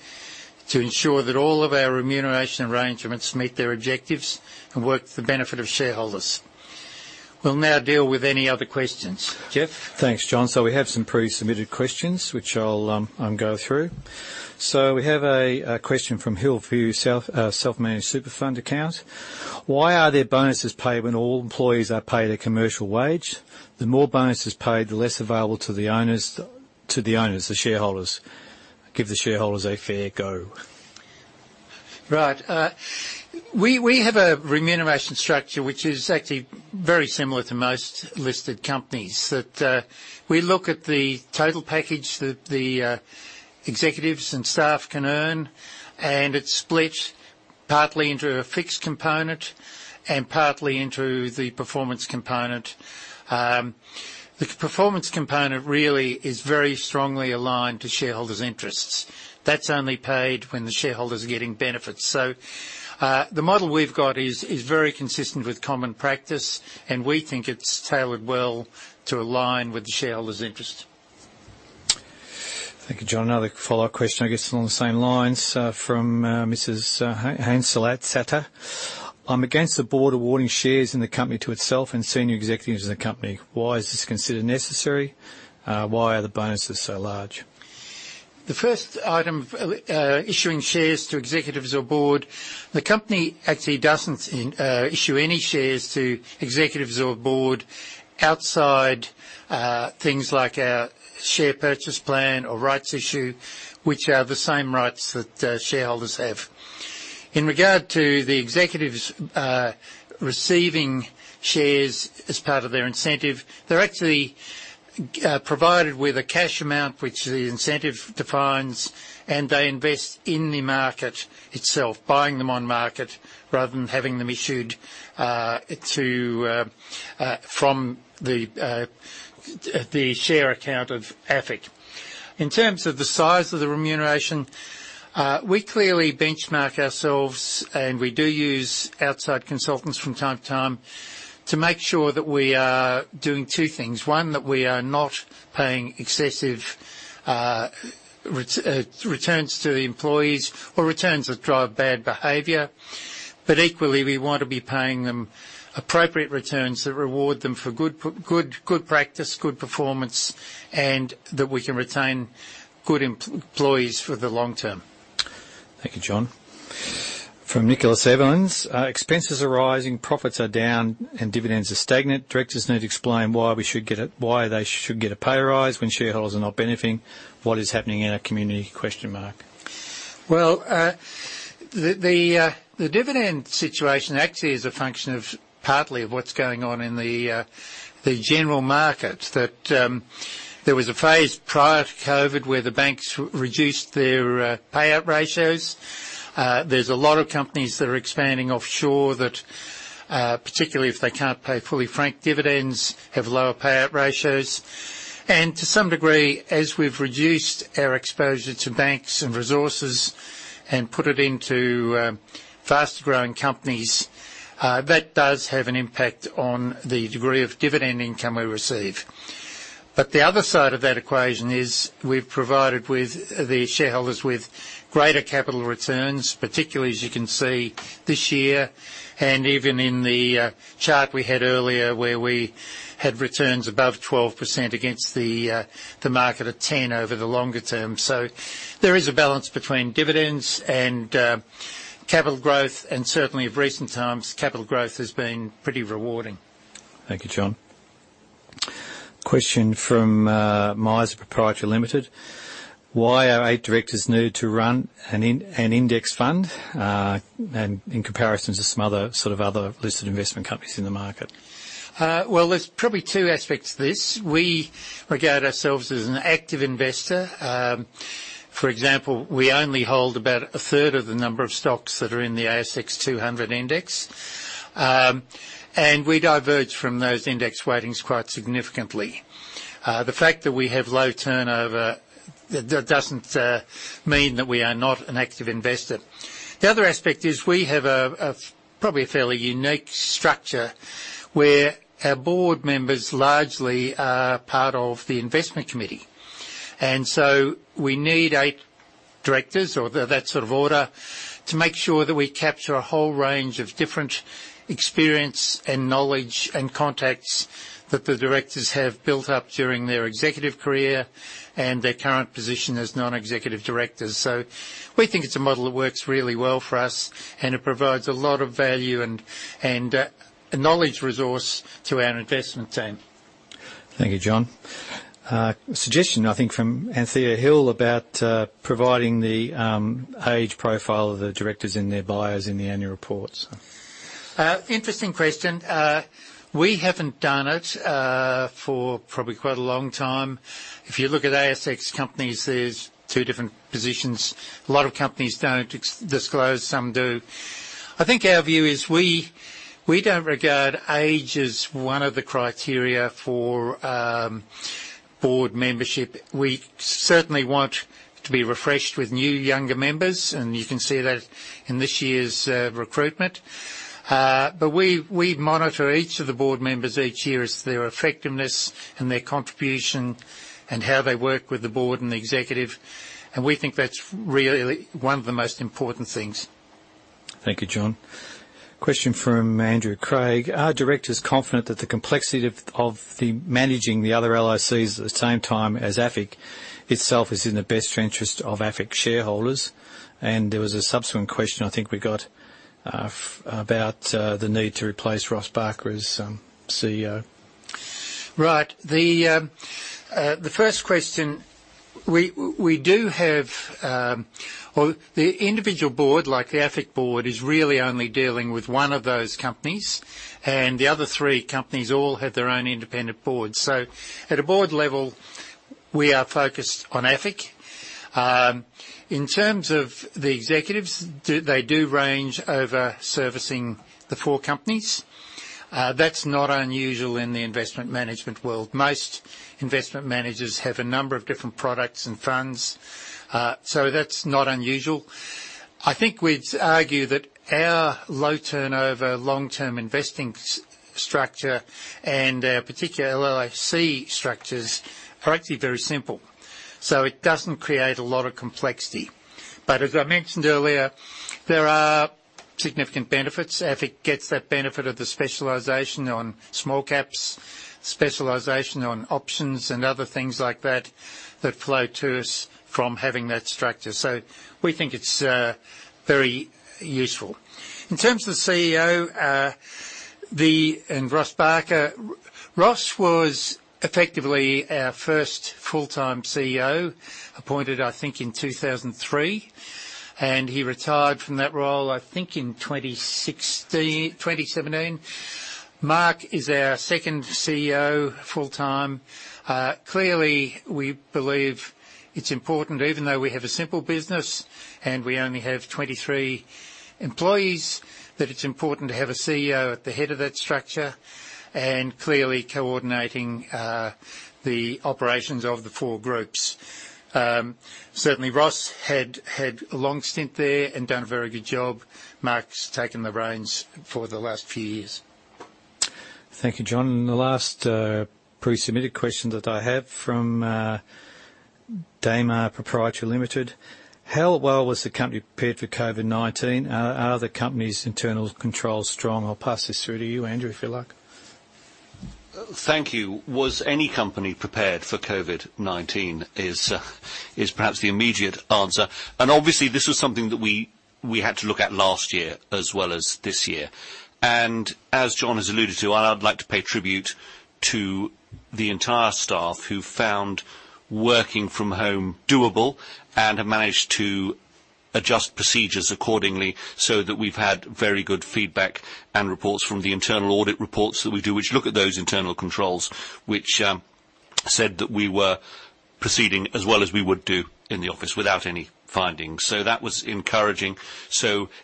to ensure that all of our remuneration arrangements meet their objectives and work for the benefit of shareholders. We'll now deal with any other questions. Geoff? Thanks, John. We have some pre-submitted questions, which I'll go through. We have a question from Hillview Self Managed Super Fund account. "Why are there bonuses paid when all employees are paid a commercial wage? The more bonuses paid, the less available to the owners, the shareholders. Give the shareholders a fair go. We have a remuneration structure which is actually very similar to most listed companies. That we look at the total package that the executives and staff can earn, and it's split partly into a fixed component and partly into the performance component. The performance component really is very strongly aligned to shareholders' interests. That's only paid when the shareholders are getting benefits. The model we've got is very consistent with common practice, and we think it's tailored well to align with the shareholders' interest. Thank you, John. Another follow-up question, I guess along the same lines, from Mrs. Hansel Atsetta. "I'm against the board awarding shares in the company to itself and senior executives in the company. Why is this considered necessary? Why are the bonuses so large? The first item, issuing shares to executives or Board, the company actually doesn't issue any shares to executives or Board outside things like our share purchase plan or rights issue, which are the same rights that shareholders have. In regard to the executives receiving shares as part of their incentive, they're actually provided with a cash amount which the incentive defines, and they invest in the market itself, buying them on market rather than having them issued from the share account of AFIC. In terms of the size of the remuneration, we clearly benchmark ourselves, and we do use outside consultants from time to time to make sure that we are doing two things. One, that we are not paying excessive returns to the employees or returns that drive bad behavior. Equally, we want to be paying them appropriate returns that reward them for good practice, good performance, and that we can retain good employees for the long term. Thank you, John. From Nicholas Evans, "Expenses are rising, profits are down, and dividends are stagnant. Directors need to explain why they should get a pay rise when shareholders are not benefiting. What is happening in our community? The dividend situation actually is a function of partly of what's going on in the general market. There was a phase prior to COVID-19 where the banks reduced their payout ratios. There's a lot of companies that are expanding offshore that, particularly if they can't pay fully franked dividends, have lower payout ratios. To some degree, as we've reduced our exposure to banks and resources and put it into faster growing companies, that does have an impact on the degree of dividend income we receive. The other side of that equation is we've provided the shareholders with greater capital returns, particularly as you can see this year, and even in the chart we had earlier, where we had returns above 12% against the market at 10% over the longer term. There is a balance between dividends and capital growth, and certainly of recent times, capital growth has been pretty rewarding. Thank you, John. Question from Myers Proprietary Limited. "Why are eight directors needed to run an index fund? In comparison to some other listed investment companies in the market. There's probably two aspects to this. We regard ourselves as an active investor. For example, we only hold about a third of the number of stocks that are in the ASX 200 index. We diverge from those index weightings quite significantly. The fact that we have low turnover, that doesn't mean that we are not an active investor. The other aspect is we have probably a fairly unique structure where our board members largely are part of the investment committee. We need eight directors or that sort of order to make sure that we capture a whole range of different experience and knowledge and contacts that the directors have built up during their executive career and their current position as non-executive directors. We think it's a model that works really well for us, and it provides a lot of value and a knowledge resource to our investment team. Thank you, John. A suggestion, I think, from Anthea Hill about providing the age profile of the directors and their bios in the annual reports. Interesting question. We haven't done it for probably quite a long time. If you look at ASX companies, there's two different positions. A lot of companies don't disclose, some do. I think our view is we don't regard age as one of the criteria for Board membership. We certainly want to be refreshed with new younger members, you can see that in this year's recruitment. We monitor each of the board members each year as to their effectiveness and their contribution and how they work with the board and the executive. We think that's really one of the most important things. Thank you, John. Question from Andrew Craig. Are directors confident that the complexity of the managing the other LICs at the same time as AFIC itself is in the best interest of AFIC shareholders? There was a subsequent question I think we got about the need to replace Ross Barker as CEO. Right. The first question, the individual board, like the AFIC board, is really only dealing with one of those companies, and the other three companies all have their own independent boards. At a board level, we are focused on AFIC. In terms of the executives, they do range over servicing the four companies. That's not unusual in the investment management world. Most investment managers have a number of different products and funds. That's not unusual. I think we'd argue that our low turnover long-term investing structure and our particular LIC structures are actually very simple. It doesn't create a lot of complexity. As I mentioned earlier, there are significant benefits. AFIC gets that benefit of the specialization on small caps, specialization on options and other things like that that flow to us from having that structure. We think it's very useful. In terms of the CEO and Ross Barker, Ross was effectively our first full-time CEO, appointed, I think, in 2003, and he retired from that role, I think, in 2016, 2017. Mark is our second CEO full-time. Clearly, we believe it's important, even though we have a simple business and we only have 23 employees, that it's important to have a CEO at the head of that structure and clearly coordinating the operations of the four groups. Certainly, Ross had a long stint there and done a very good job. Mark's taken the reins for the last few years. Thank you, John. The last pre-submitted question that I have from Daymar Proprietary Limited. How well was the company prepared for COVID-19? Are the company's internal controls strong? I'll pass this through to you, Andrew, if you like. Thank you. Was any company prepared for COVID-19 is perhaps the immediate answer. Obviously, this was something that we had to look at last year as well as this year. As John Paterson has alluded to, I'd like to pay tribute to the entire staff who found working from home doable and have managed to adjust procedures accordingly so that we've had very good feedback and reports from the internal audit reports that we do, which look at those internal controls, which said that we were proceeding as well as we would do in the office without any findings. That was encouraging.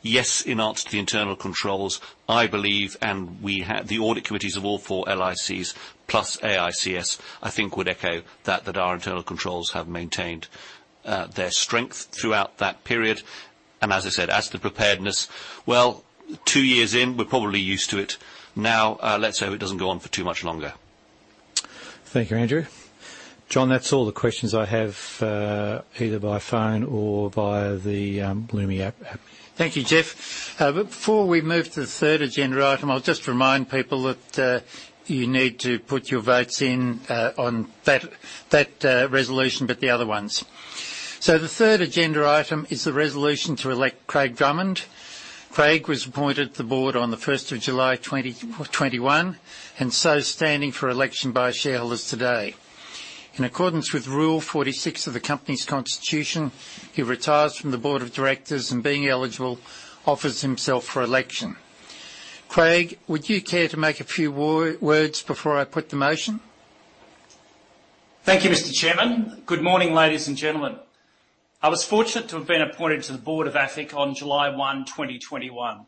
Yes, in answer to the internal controls, I believe, and the audit committees of all four LICs plus AICS, I think would echo that our internal controls have maintained their strength throughout that period. As I said, as to preparedness, well, two years in, we're probably used to it now. Let's hope it doesn't go on for too much longer. Thank you, Andrew. John, that's all the questions I have, either by phone or via the Lumi App. Thank you, Geoff. Before we move to the third agenda item, I'll just remind people that you need to put your votes in on that resolution, but the other ones. The third agenda item is the resolution to elect Craig Drummond. Craig was appointed to the Board on the 1st of July 2021, and so standing for election by shareholders today. In accordance with Rule 46 of the Company's Constitution, he retires from the Board of Directors and being eligible, offers himself for election. Craig, would you care to make a few words before I put the motion? Thank you, Mr. Chairman. Good morning, ladies and gentlemen. I was fortunate to have been appointed to the board of AFIC on July 1, 2021.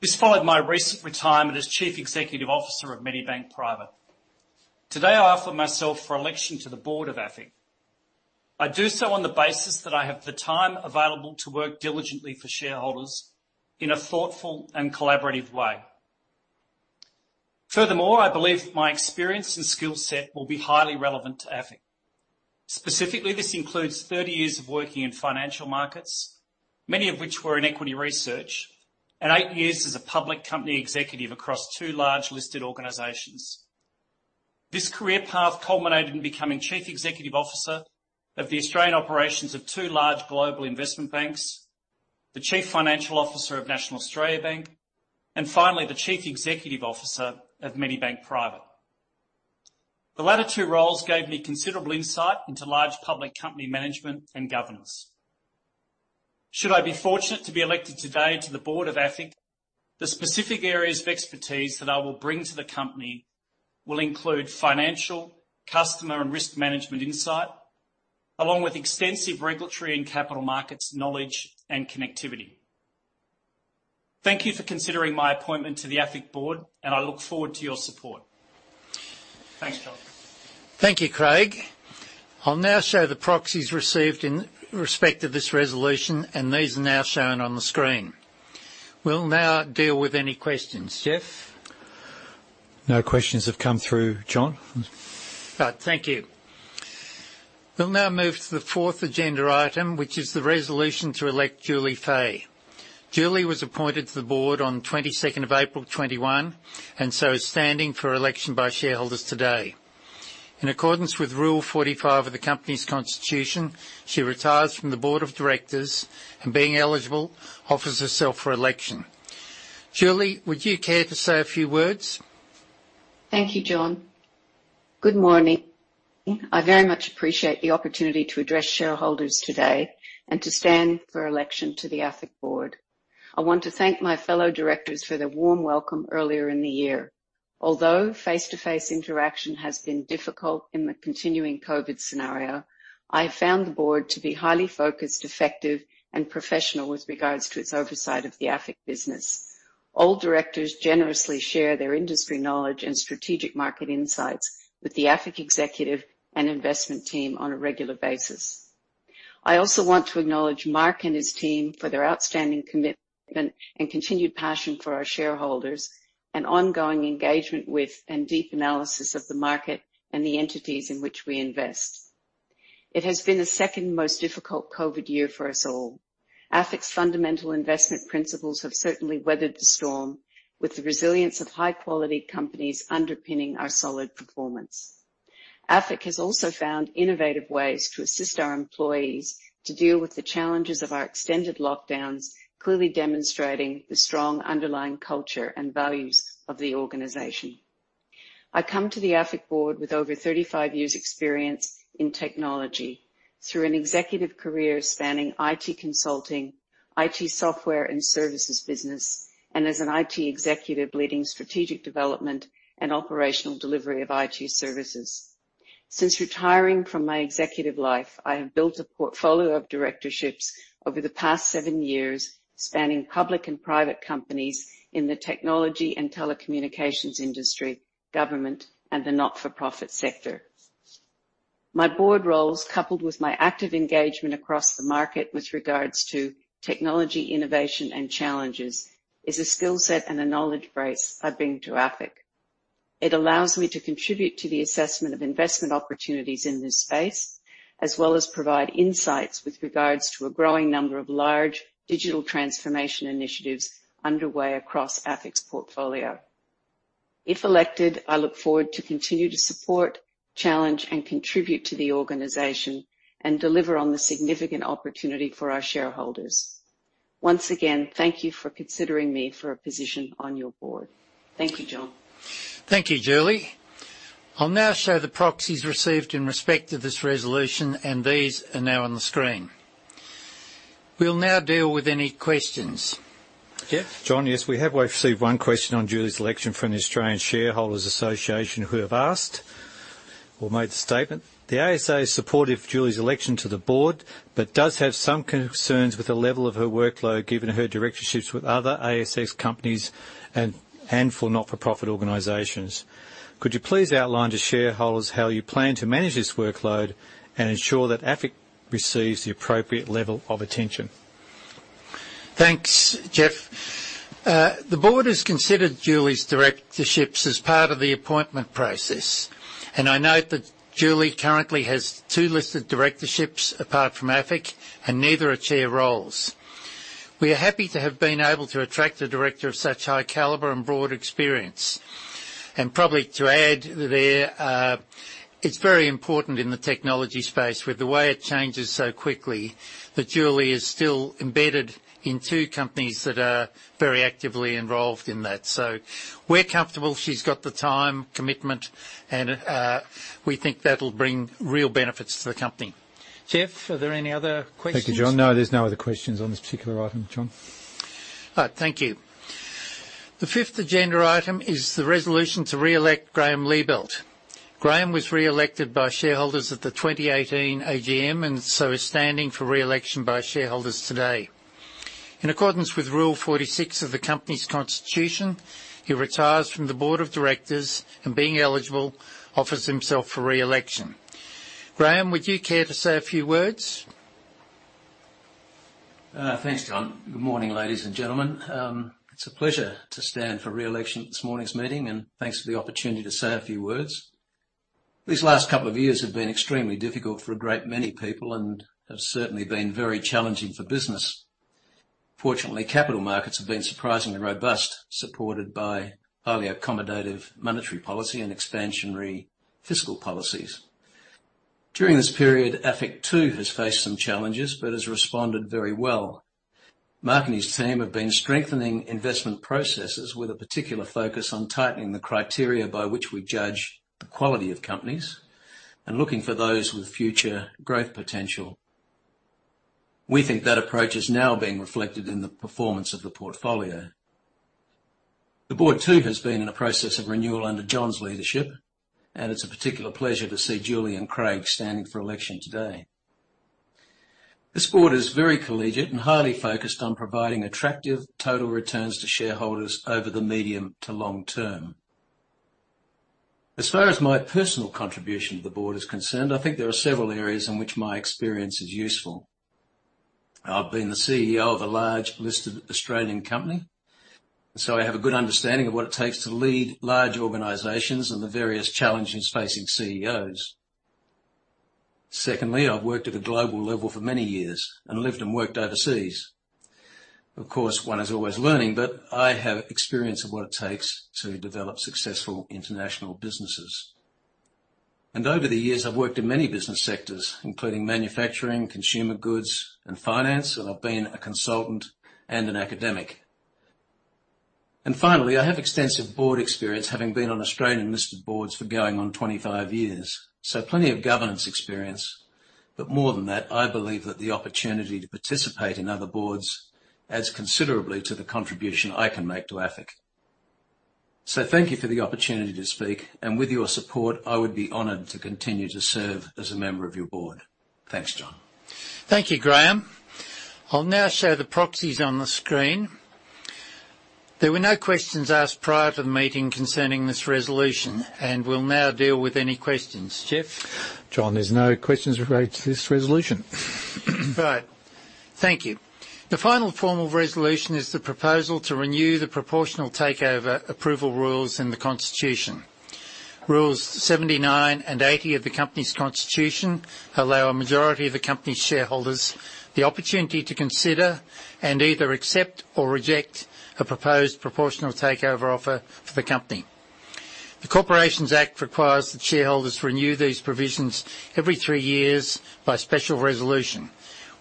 This followed my recent retirement as Chief Executive Officer of Medibank Private. Today, I offer myself for election to the board of AFIC. I do so on the basis that I have the time available to work diligently for shareholders in a thoughtful and collaborative way. Furthermore, I believe my experience and skill set will be highly relevant to AFIC. Specifically, this includes 30 years of working in financial markets, many of which were in equity research, and 8 years as a public company executive across two large listed organizations. This career path culminated in becoming Chief Executive Officer of the Australian operations of two large global investment banks, the Chief Financial Officer of National Australia Bank, and finally, the Chief Executive Officer of Medibank Private. The latter two roles gave me considerable insight into large public company management and governance. Should I be fortunate to be elected today to the board of AFIC, the specific areas of expertise that I will bring to the company will include financial, customer, and risk management insight, along with extensive regulatory and capital markets knowledge and connectivity Thank you for considering my appointment to the AFIC board, and I look forward to your support. Thanks, John. Thank you, Craig. I'll now show the proxies received in respect of this resolution. These are now shown on the screen. We'll now deal with any questions. Geoff? No questions have come through, John. Thank you. We'll now move to the fourth agenda item, which is the resolution to elect Julie Fahey. Julie was appointed to the board on 22nd of April 2021, and so is standing for election by shareholders today. In accordance with Rule 45 of the company's constitution, she retires from the board of directors and being eligible, offers herself for election. Julie, would you care to say a few words? Thank you, John. Good morning. I very much appreciate the opportunity to address shareholders today and to stand for election to the AFIC board. I want to thank my fellow directors for their warm welcome earlier in the year. Although face-to-face interaction has been difficult in the continuing COVID scenario, I found the board to be highly focused, effective, and professional with regards to its oversight of the AFIC business. All directors generously share their industry knowledge and strategic market insights with the AFIC executive and investment team on a regular basis. I also want to acknowledge Mark and his team for their outstanding commitment and continued passion for our shareholders, and ongoing engagement with and deep analysis of the market and the entities in which we invest. It has been the second most difficult COVID year for us all. AFIC's fundamental investment principles have certainly weathered the storm, with the resilience of high-quality companies underpinning our solid performance. AFIC has also found innovative ways to assist our employees to deal with the challenges of our extended lockdowns, clearly demonstrating the strong underlying culture and values of the organization. I come to the AFIC board with over 35 years’ experience in technology through an executive career spanning IT consulting, IT software and services business, and as an IT executive leading strategic development and operational delivery of IT services. Since retiring from my executive life, I have built a portfolio of directorships over the past seven years, spanning public and private companies in the technology and telecommunications industry, government, and the not-for-profit sector. My board roles, coupled with my active engagement across the market with regards to technology, innovation, and challenges, is a skill set and a knowledge base I bring to AFIC. It allows me to contribute to the assessment of investment opportunities in this space, as well as provide insights with regards to a growing number of large digital transformation initiatives underway across AFIC's portfolio. If elected, I look forward to continue to support, challenge, and contribute to the organization and deliver on the significant opportunity for our shareholders. Once again, thank you for considering me for a position on your board. Thank you, John. Thank you, Julie Fahey. I'll now show the proxies received in respect of this resolution, and these are now on the screen. We'll now deal with any questions. Geoff Driver? John, yes, we have received one question on Julie's election from the Australian Shareholders' Association, who have asked or made the statement: The ASA is supportive of Julie's election to the board but does have some concerns with the level of her workload, given her directorships with other ASX companies and handful not-for-profit organizations. Could you please outline to shareholders how you plan to manage this workload and ensure that AFIC receives the appropriate level of attention? Thanks, Geoff. The board has considered Julie's directorships as part of the appointment process, and I note that Julie currently has two listed directorships apart from AFIC, and neither are chair roles. We are happy to have been able to attract a director of such high caliber and broad experience. Probably to add there, it's very important in the technology space with the way it changes so quickly, that Julie is still embedded in two companies that are very actively involved in that. We're comfortable she's got the time, commitment, and we think that'll bring real benefits to the company. Geoff, are there any other questions? Thank you, John. No, there's no other questions on this particular item, John. Thank you. The fifth agenda item is the resolution to reelect Graeme Liebelt. Graeme was reelected by shareholders at the 2018 AGM and so is standing for reelection by shareholders today. In accordance with Rule 46 of the company's constitution, he retires from the board of directors and being eligible, offers himself for reelection. Graeme, would you care to say a few words? Thanks, John. Good morning, ladies and gentlemen. It's a pleasure to stand for reelection at this morning's meeting, and thanks for the opportunity to say a few words. These last 2 years have been extremely difficult for a great many people and have certainly been very challenging for business. Fortunately, capital markets have been surprisingly robust, supported by highly accommodative monetary policy and expansionary fiscal policies. During this period, AFIC, too, has faced some challenges but has responded very well. Mark and his team have been strengthening investment processes with a particular focus on tightening the criteria by which we judge the quality of companies and looking for those with future growth potential. We think that approach is now being reflected in the performance of the portfolio. The board too has been in a process of renewal under John's leadership, and it's a particular pleasure to see Julie and Craig standing for election today. This board is very collegiate and highly focused on providing attractive total returns to shareholders over the medium to long term. As far as my personal contribution to the board is concerned, I think there are several areas in which my experience is useful. I've been the CEO of a large listed Australian company, so I have a good understanding of what it takes to lead large organizations and the various challenges facing CEOs. Secondly, I've worked at a global level for many years and lived and worked overseas. Of course, one is always learning, but I have experience of what it takes to develop successful international businesses. Over the years, I've worked in many business sectors, including manufacturing, consumer goods and finance, and I've been a consultant and an academic. Finally, I have extensive board experience, having been on Australian listed boards for going on 25 years, so plenty of governance experience. More than that, I believe that the opportunity to participate in other boards adds considerably to the contribution I can make to AFIC. Thank you for the opportunity to speak, and with your support, I would be honored to continue to serve as a member of your board. Thanks, John. Thank you, Graeme. I'll now show the proxies on the screen. There were no questions asked prior to the meeting concerning this resolution. We'll now deal with any questions. Geoff? John, there's no questions with regard to this resolution. Right. Thank you. The final formal resolution is the proposal to renew the proportional takeover approval rules in the constitution. Rules 79 and 80 of the company's constitution allow a majority of the company's shareholders the opportunity to consider and either accept or reject a proposed proportional takeover offer for the company. The Corporations Act requires that shareholders renew these provisions every three years by special resolution,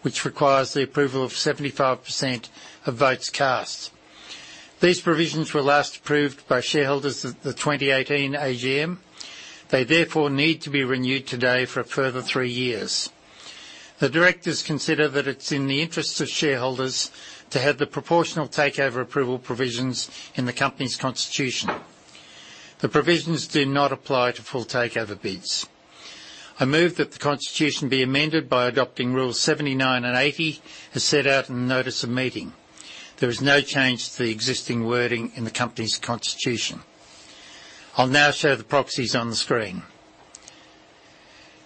which requires the approval of 75% of votes cast. These provisions were last approved by shareholders at the 2018 AGM. They therefore need to be renewed today for a further three years. The directors consider that it's in the interests of shareholders to have the proportional takeover approval provisions in the company's constitution. The provisions do not apply to full takeover bids. I move that the constitution be amended by adopting rules 79 and 80, as set out in the notice of meeting. There is no change to the existing wording in the company's constitution. I'll now show the proxies on the screen.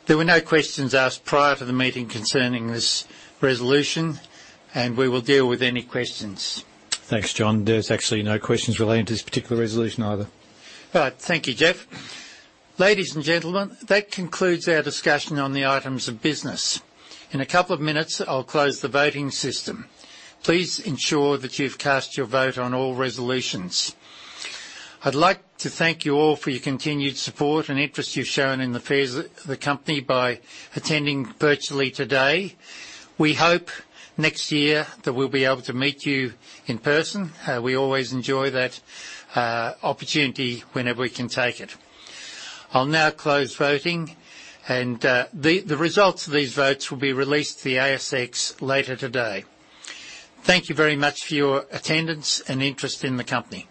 There were no questions asked prior to the meeting concerning this resolution, and we will deal with any questions. Thanks, John. There's actually no questions relating to this particular resolution either. Thank you, Geoff. Ladies and gentlemen, that concludes our discussion on the items of business. In a couple of minutes, I'll close the voting system. Please ensure that you've cast your vote on all resolutions. I'd like to thank you all for your continued support and interest you've shown in affairs of the company by attending virtually today. We hope next year that we'll be able to meet you in person. We always enjoy that opportunity whenever we can take it. I'll now close voting and the results of these votes will be released to the ASX later today. Thank you very much for your attendance and interest in the company.